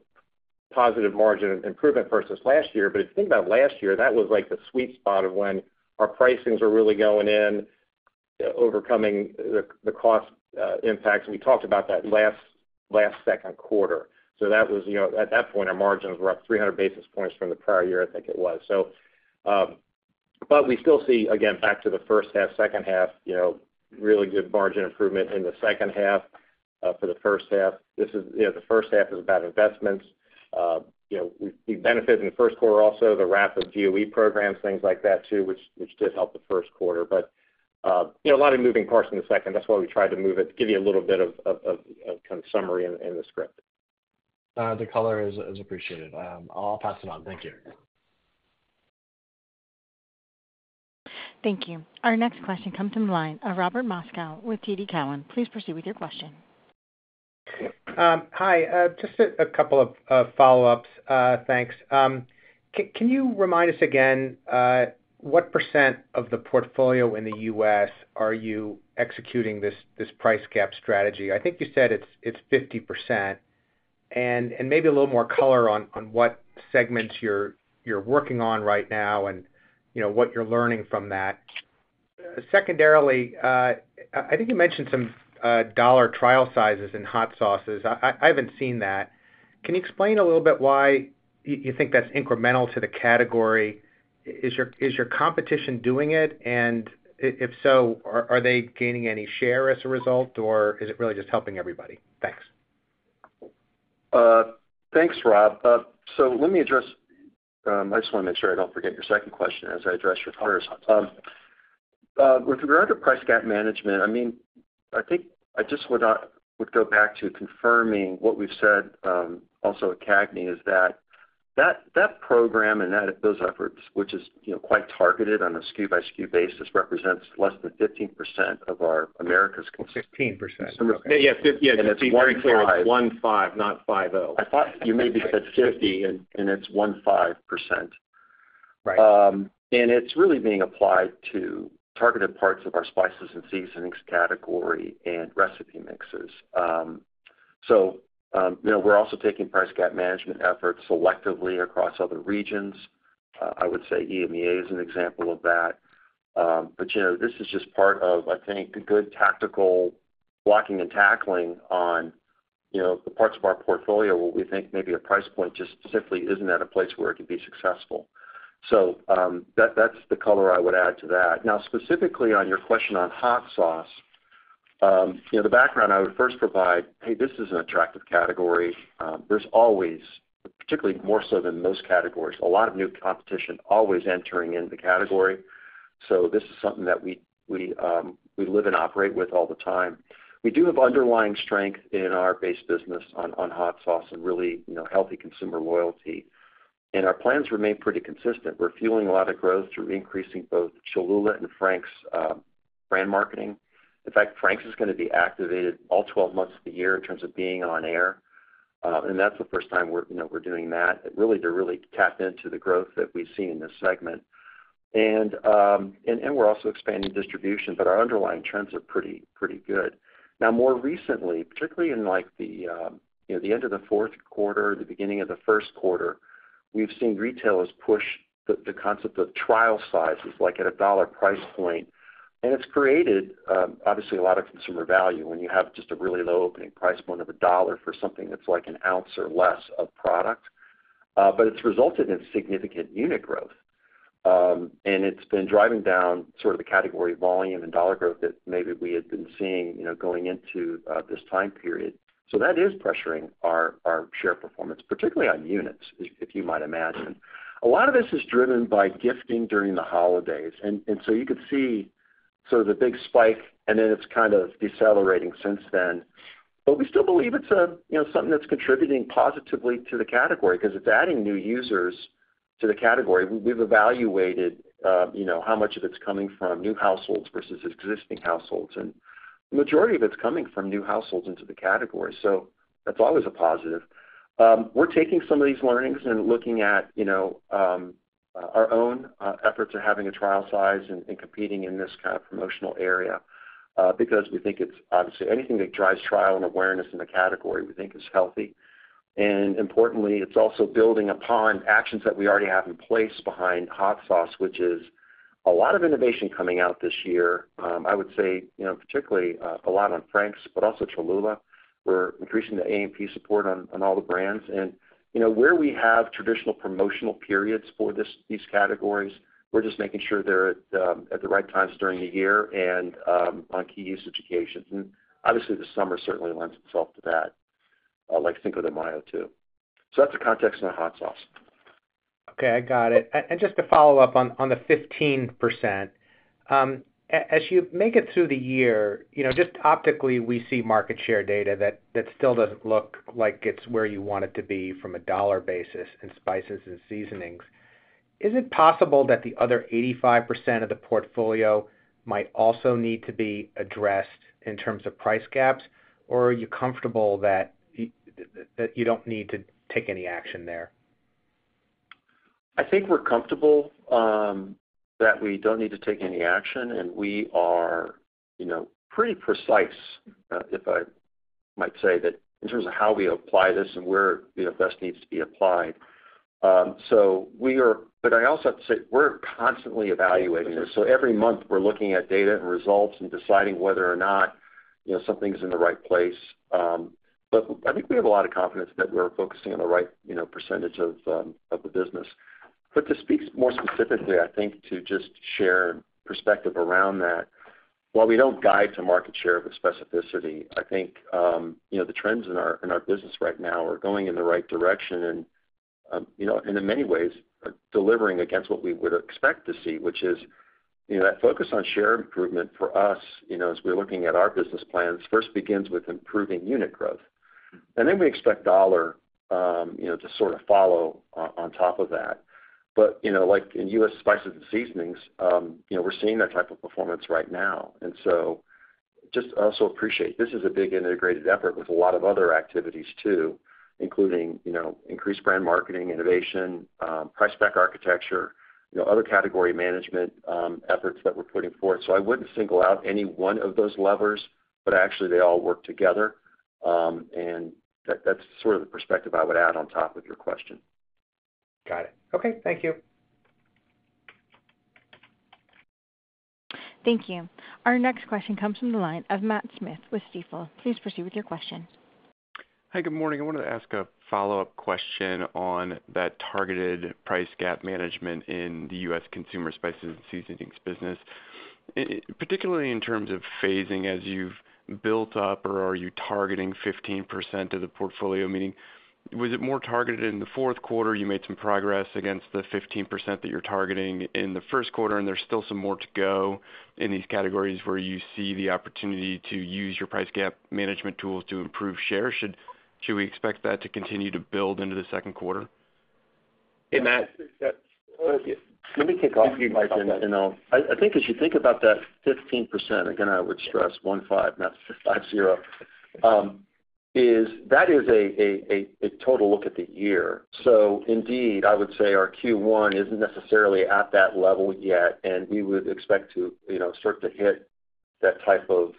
positive margin improvement versus last year, but if you think about last year, that was like the sweet spot of when our pricings were really going in, overcoming the cost impacts. We talked about that last second quarter. So that was, you know, at that point, our margins were up 300 basis points from the prior year, I think it was. So, but we still see, again, back to the first half, second half, you know, really good margin improvement in the second half. For the first half, this is, you know, the first half is about investments. You know, we benefit in the first quarter also, the rapid GOE programs, things like that, too, which did help the first quarter. But, you know, a lot of moving parts in the second. That's why we tried to move it, to give you a little bit of kind of summary in the script. The color is appreciated. I'll pass it on. Thank you. Thank you. Our next question comes from the line of Robert Moskow with TD Cowen. Please proceed with your question. Hi, just a couple of follow-ups, thanks. Can you remind us again what percent of the portfolio in the U.S. are you executing this price gap strategy? I think you said it's 50%, and maybe a little more color on what segments you're working on right now and, you know, what you're learning from that. Secondarily, I think you mentioned some dollar trial sizes in hot sauces. I haven't seen that. Can you explain a little bit why you think that's incremental to the category? Is your competition doing it? And if so, are they gaining any share as a result, or is it really just helping everybody? Thanks. Thanks, Rob. So let me address, I just wanna make sure I don't forget your second question as I address your first. With regard to price gap management, I mean, I think I just would go back to confirming what we've said, also at CAGNY, is that that program and those efforts, which is, you know, quite targeted on a SKU by SKU basis, represents less than 15% of our Americas. 16%. Yeah, yeah. To be very clear, it's 15, not 50. I thought you maybe said 50, and it's 1.5%. Right. And it's really being applied to targeted parts of our spices and seasonings category and recipe mixes. You know, we're also taking price gap management efforts selectively across other regions. I would say EMEA is an example of that. But, you know, this is just part of, I think, the good tactical blocking and tackling on, you know, the parts of our portfolio where we think maybe a price point just simply isn't at a place where it can be successful. So, that, that's the color I would add to that. Now, specifically on your question on hot sauce. You know, the background I would first provide, hey, this is an attractive category. There's always, particularly more so than most categories, a lot of new competition always entering into the category. So this is something that we live and operate with all the time. We do have underlying strength in our base business on hot sauce and really, you know, healthy consumer loyalty. And our plans remain pretty consistent. We're fueling a lot of growth through increasing both Cholula and Frank's brand marketing. In fact, Frank's is gonna be activated all 12 months of the year in terms of being on air, and that's the first time we're, you know, doing that, really, to really tap into the growth that we've seen in this segment. And we're also expanding distribution, but our underlying trends are pretty, pretty good. Now, more recently, particularly in, like, the, you know, the end of the fourth quarter, the beginning of the first quarter, we've seen retailers push the, the concept of trial sizes, like at a $1 price point. And it's created, obviously, a lot of consumer value when you have just a really low opening price point of $1 for something that's like an ounce or less of product. But it's resulted in significant unit growth, and it's been driving down sort of the category volume and dollar growth that maybe we had been seeing, you know, going into this time period. So that is pressuring our, our share performance, particularly on units, if, if you might imagine. A lot of this is driven by gifting during the holidays, and so you could see sort of the big spike, and then it's kind of decelerating since then. But we still believe it's a, you know, something that's contributing positively to the category because it's adding new users to the category. We've evaluated, you know, how much of it's coming from new households versus existing households, and the majority of it's coming from new households into the category. So that's always a positive. We're taking some of these learnings and looking at, you know, our own efforts of having a trial size and competing in this kind of promotional area, because we think it's obviously, anything that drives trial and awareness in the category, we think is healthy. And importantly, it's also building upon actions that we already have in place behind hot sauce, which is a lot of innovation coming out this year. I would say, you know, particularly, a lot on Frank's, but also Cholula. We're increasing the A&P support on, on all the brands. And, you know, where we have traditional promotional periods for this, these categories, we're just making sure they're at, at the right times during the year and, on key usage occasions. And obviously, the summer certainly lends itself to that, like Cinco de Mayo, too. So that's the context on hot sauce. Okay, I got it. And just to follow up on the 15%, as you make it through the year, you know, just optically, we see market share data that still doesn't look like it's where you want it to be from a dollar basis in spices and seasonings. Is it possible that the other 85% of the portfolio might also need to be addressed in terms of price gaps, or are you comfortable that that you don't need to take any action there? I think we're comfortable that we don't need to take any action, and we are, you know, pretty precise, if I might say, that in terms of how we apply this and where, you know, best needs to be applied. But I also have to say, we're constantly evaluating this. So every month, we're looking at data and results and deciding whether or not, you know, something's in the right place. But I think we have a lot of confidence that we're focusing on the right, you know, percentage of the business. But to speak more specifically, I think, to just share perspective around that, while we don't guide to market share with specificity, I think, you know, the trends in our business right now are going in the right direction and, you know, and in many ways, are delivering against what we would expect to see, which is, you know, that focus on share improvement for us, you know, as we're looking at our business plans, first begins with improving unit growth. And then we expect dollar, you know, to sort of follow on, on top of that. But, you know, like in U.S. spices and seasonings, you know, we're seeing that type of performance right now. So just also appreciate this is a big integrated effort with a lot of other activities too, including, you know, increased brand marketing, innovation, price pack architecture, you know, other category management, efforts that we're putting forward. So I wouldn't single out any one of those levers, but actually, they all work together. And that's sort of the perspective I would add on top of your question. Got it. Okay, thank you. Thank you. Our next question comes from the line of Matt Smith with Stifel. Please proceed with your question. Hi, good morning. I wanted to ask a follow-up question on that targeted price gap management in the U.S. consumer spices and seasonings business, particularly in terms of phasing as you've built up or are you targeting 15% of the portfolio? Meaning, was it more targeted in the fourth quarter, you made some progress against the 15% that you're targeting in the first quarter, and there's still some more to go in these categories where you see the opportunity to use your price gap management tools to improve share? Should we expect that to continue to build into the second quarter? Hey, Matt, let me kick off, and, you know, I think as you think about that 15%, again, I would stress 15, not 50, is. That is a total look at the year. So indeed, I would say our Q1 isn't necessarily at that level yet, and we would expect to, you know, start to hit that type of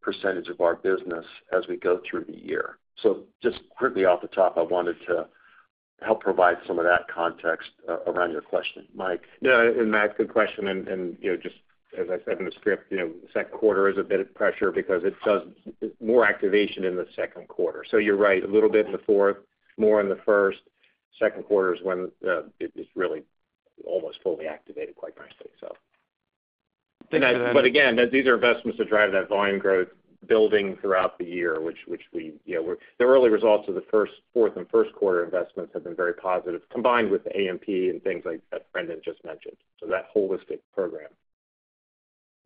percentage of our business as we go through the year. So just quickly off the top, I wanted to help provide some of that context around your question. Mike? Yeah, and Matt, good question, and you know, just as I said in the script, you know, second quarter is a bit of pressure because it does more activation in the second quarter. So you're right, a little bit in the fourth, more in the first, second quarter is when, it is really almost fully activated quite nicely, so. But again, these are investments that drive that volume growth building throughout the year, which we, you know, the early results of the fourth and first quarter investments have been very positive, combined with the A&P and things like that Brendan just mentioned, so that holistic program.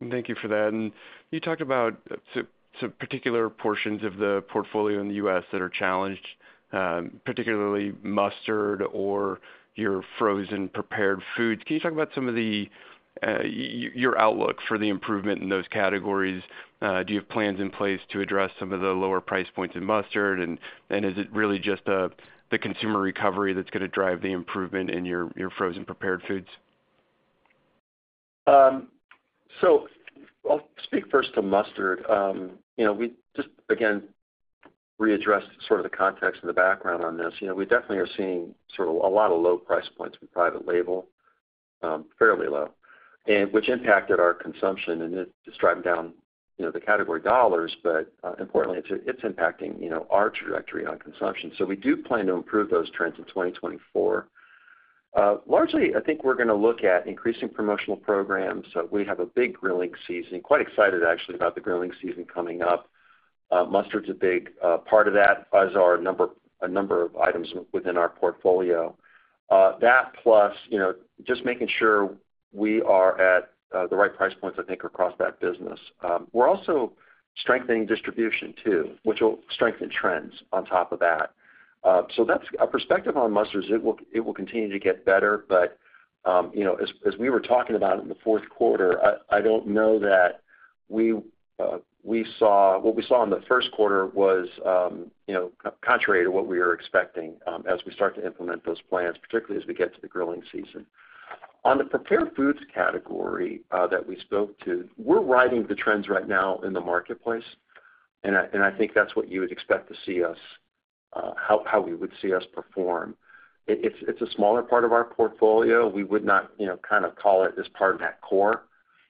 Thank you for that. You talked about some particular portions of the portfolio in the U.S. that are challenged, particularly mustard or your frozen prepared foods. Can you talk about some of your outlook for the improvement in those categories? Do you have plans in place to address some of the lower price points in mustard? And is it really just the consumer recovery that's gonna drive the improvement in your frozen prepared foods? So I'll speak first to mustard. You know, we just, again, readdress sort of the context and the background on this. You know, we definitely are seeing sort of a lot of low price points in private label, fairly low, and which impacted our consumption, and it's driving down, you know, the category dollars, but importantly, it's impacting, you know, our trajectory on consumption. So we do plan to improve those trends in 2024. Largely, I think we're gonna look at increasing promotional programs. So we have a big grilling season, quite excited, actually, about the grilling season coming up. Mustard's a big part of that, as are a number of items within our portfolio. That plus, you know, just making sure we are at the right price points, I think, across that business. We're also strengthening distribution too, which will strengthen trends on top of that. So that's our perspective on mustards. It will continue to get better, but you know, as we were talking about in the fourth quarter, I don't know that we saw what we saw in the first quarter was you know, contrary to what we were expecting, as we start to implement those plans, particularly as we get to the grilling season. On the prepared foods category that we spoke to, we're riding the trends right now in the marketplace, and I think that's what you would expect to see us, how we would see us perform. It's a smaller part of our portfolio. We would not, you know, kind of call it as part of that core.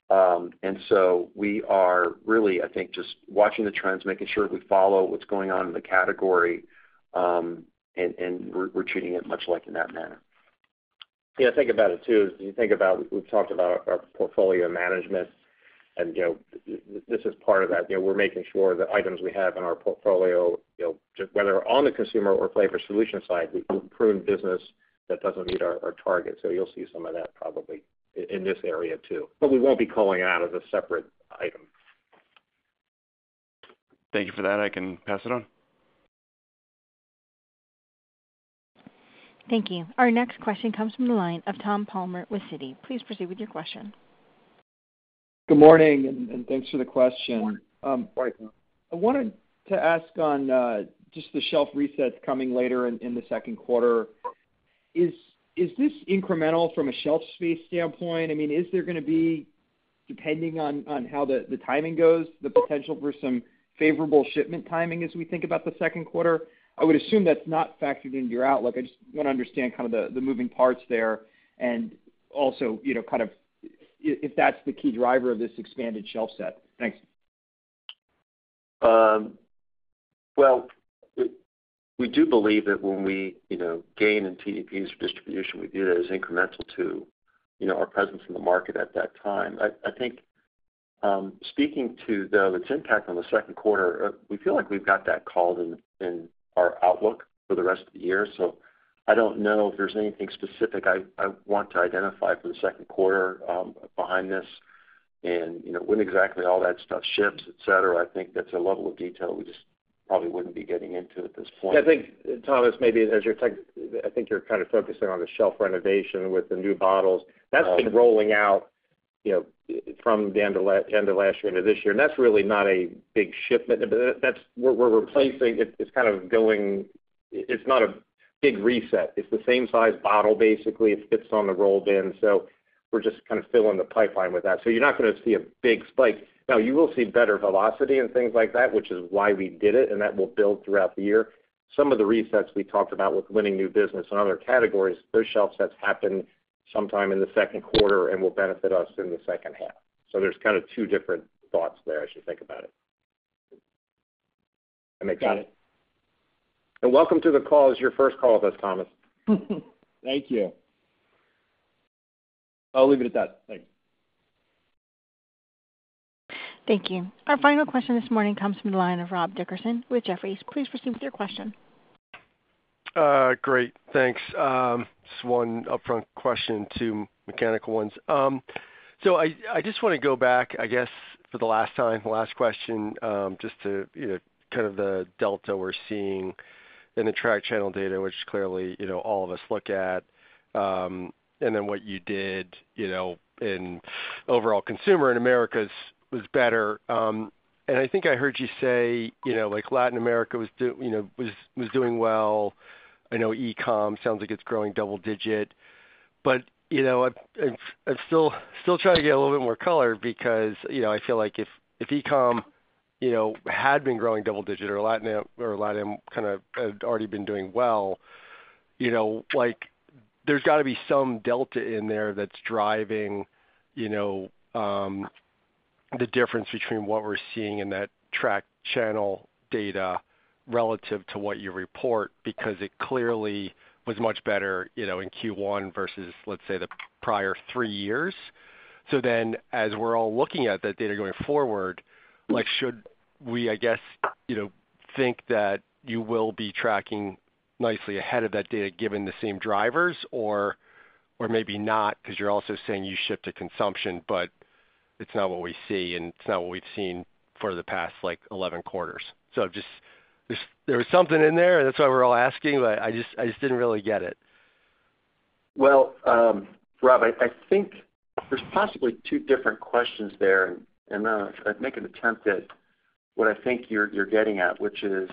And so we are really, I think, watching the trends, making sure we follow what's going on in the category, and we're treating it much like in that manner. Yeah, think about it too, as you think about, we've talked about our portfolio management, and, you know, this is part of that. You know, we're making sure the items we have in our portfolio, you know, whether on the consumer or flavor solution side, we prune business that doesn't meet our target. So you'll see some of that probably in this area too, but we won't be calling it out as a separate item. Thank you for that. I can pass it on. Thank you. Our next question comes from the line of Tom Palmer with Citi. Please proceed with your question. Good morning, and thanks for the question. Good morning. I wanted to ask on just the shelf resets coming later in the second quarter. Is this incremental from a shelf space standpoint? I mean, is there gonna be, depending on how the timing goes, the potential for some favorable shipment timing as we think about the second quarter? I would assume that's not factored into your outlook. I just want to understand kind of the moving parts there and also, you know, kind of if that's the key driver of this expanded shelf set. Thanks. Well, we do believe that when we, you know, gain in TDPs distribution, we view that as incremental to, you know, our presence in the market at that time. I think, speaking to, though, its impact on the second quarter, we feel like we've got that called in our outlook for the rest of the year. So I don't know if there's anything specific I want to identify for the second quarter, behind this. And, you know, when exactly all that stuff ships, et cetera, I think that's a level of detail we just probably wouldn't be getting into at this point. I think, Thomas, maybe as you're tech, I think you're kind of focusing on the shelf renovation with the new bottles. That's been rolling out, you know, from the end of last year into this year, and that's really not a big shipment. But that's what we're replacing. It's kind of going, It's not a big reset. It's the same size bottle, basically. It fits on the roll bin, so we're just kind of filling the pipeline with that. So you're not gonna see a big spike. Now, you will see better velocity and things like that, which is why we did it, and that will build throughout the year. Some of the resets we talked about with winning new business and other categories, those shelf sets happen sometime in the second quarter and will benefit us in the second half. So there's kind of two different thoughts there as you think about it. I make sense? Welcome to the call. It's your first call with us, Thomas. Thank you. I'll leave it at that. Thank you. Thank you. Our final question this morning comes from the line of Rob Dickerson with Jefferies. Please proceed with your question. Great, thanks. Just one upfront question, two mechanical ones. So I just wanna go back, I guess, for the last time, the last question, just to, you know, kind of the delta we're seeing in the track channel data, which clearly, you know, all of us look at, and then what you did, you know, in overall consumer in Americas was better. And I think I heard you say, you know, like, Latin America was doing well. I know E-com sounds like it's growing double digit. But, you know, I'm still trying to get a little bit more color because, you know, I feel like if E-com, you know, had been growing double digit or Latin Am or Latin Am kind of had already been doing well, you know, like, there's got to be some delta in there that's driving, you know, the difference between what we're seeing in that track channel data relative to what you report, because it clearly was much better, you know, in Q1 versus, let's say, the prior three years. So then, as we're all looking at that data going forward, like, should we, I guess, you know, think that you will be tracking nicely ahead of that data, given the same drivers, or, or maybe not, because you're also saying you ship to consumption, but it's not what we see, and it's not what we've seen for the past, like, 11 quarters. So just, there's, there was something in there, and that's why we're all asking, but I just, I just didn't really get it. Well, Rob, I think there's possibly two different questions there, and I'll make an attempt at what I think you're getting at, which is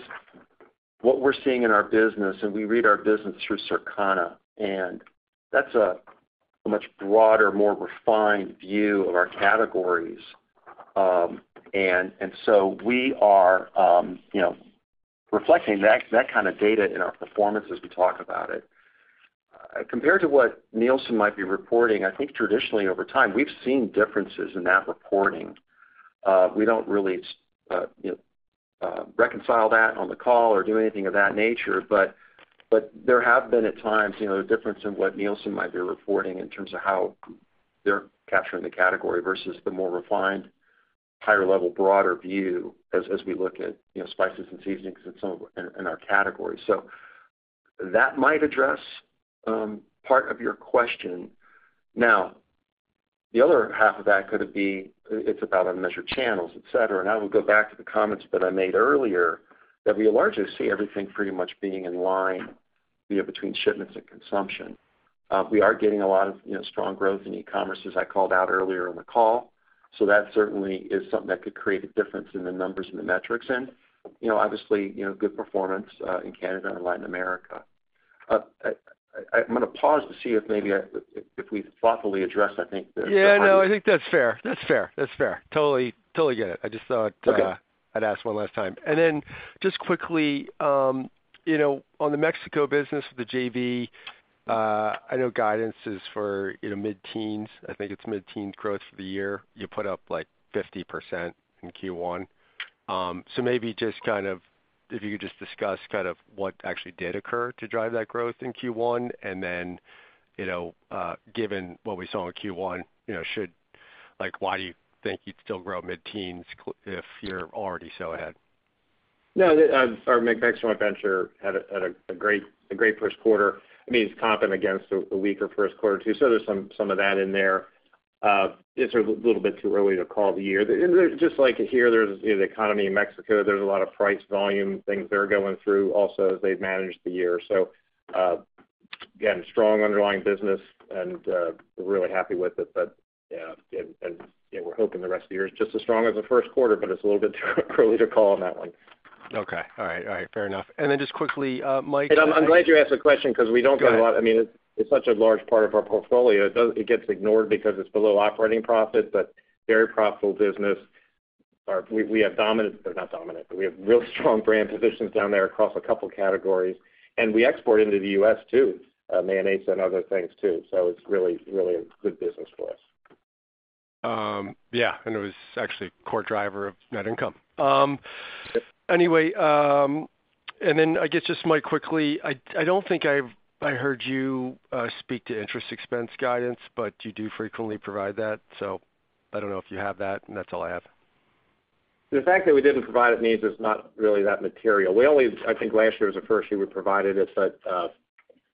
what we're seeing in our business, and we read our business through Circana, and that's a much broader, more refined view of our categories. And so we are, you know, reflecting that kind of data in our performance as we talk about it. Compared to what Nielsen might be reporting, I think traditionally, over time, we've seen differences in that reporting. We don't really, you know, reconcile that on the call or do anything of that nature, but, but there have been, at times, you know, a difference in what Nielsen might be reporting in terms of how they're capturing the category versus the more refined, higher level, broader view as we look at, you know, spices and seasonings and some of in our categories. So that might address part of your question. Now, the other half of that could it be, it's about unmeasured channels, et cetera, and I will go back to the comments that I made earlier, that we largely see everything pretty much being in line, you know, between shipments and consumption. We are getting a lot of, you know, strong growth in e-commerce, as I called out earlier in the call, so that certainly is something that could create a difference in the numbers and the metrics. And, you know, obviously, you know, good performance in Canada and Latin America. I'm gonna pause to see if maybe if we thoughtfully addressed, I think, the- Yeah, no, I think that's fair. That's fair. That's fair. Totally, totally get it. I just thought- Okay. I'd ask one last time. And then just quickly, you know, on the Mexico business, the JV, I know guidance is for, you know, mid-teens. I think it's mid-teens growth for the year. You put up, like, 50% in Q1. So maybe just kind of if you could just discuss kind of what actually did occur to drive that growth in Q1, and then, you know, given what we saw in Q1, you know, should like, why do you think you'd still grow mid-teens cl- if you're already so ahead? No, our Mex joint venture had a great first quarter. I mean, it's comping against a weaker first quarter, too, so there's some of that in there. It's a little bit too early to call the year. And just like here, there's, you know, the economy in Mexico, there's a lot of price volume things they're going through also as they've managed the year. So, again, strong underlying business and, we're really happy with it. But, yeah, and, you know, we're hoping the rest of the year is just as strong as the first quarter, but it's a little bit early to call on that one. Okay. All right. All right. Fair enough. And then just quickly, Mike. I'm glad you asked the question because we don't get a lot. Go ahead. I mean, it's such a large part of our portfolio. It does, it gets ignored because it's below operating profit, but very profitable business. We have dominant, or not dominant, but we have really strong brand positions down there across a couple categories, and we export into the U.S., too, mayonnaise and other things, too. So it's really, really a good business for us. Yeah, and it was actually a core driver of net income. Anyway, and then I guess just, Mike, quickly, I don't think I've heard you speak to interest expense guidance, but you do frequently provide that, so I don't know if you have that, and that's all I have. The fact that we didn't provide it means it's not really that material. We only, I think last year was the first year we provided it, but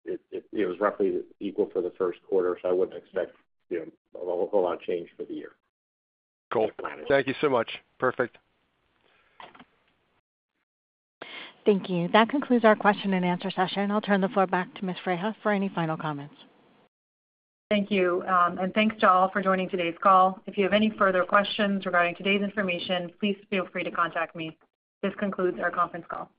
it was roughly equal for the first quarter, so I wouldn't expect, you know, a whole lot of change for the year. Cool. Thanks. Thank you so much. Perfect. Thank you. That concludes our question and answer session. I'll turn the floor back to Ms. Freiha for any final comments. Thank you. Thanks to all for joining today's call. If you have any further questions regarding today's information, please feel free to contact me. This concludes our conference call.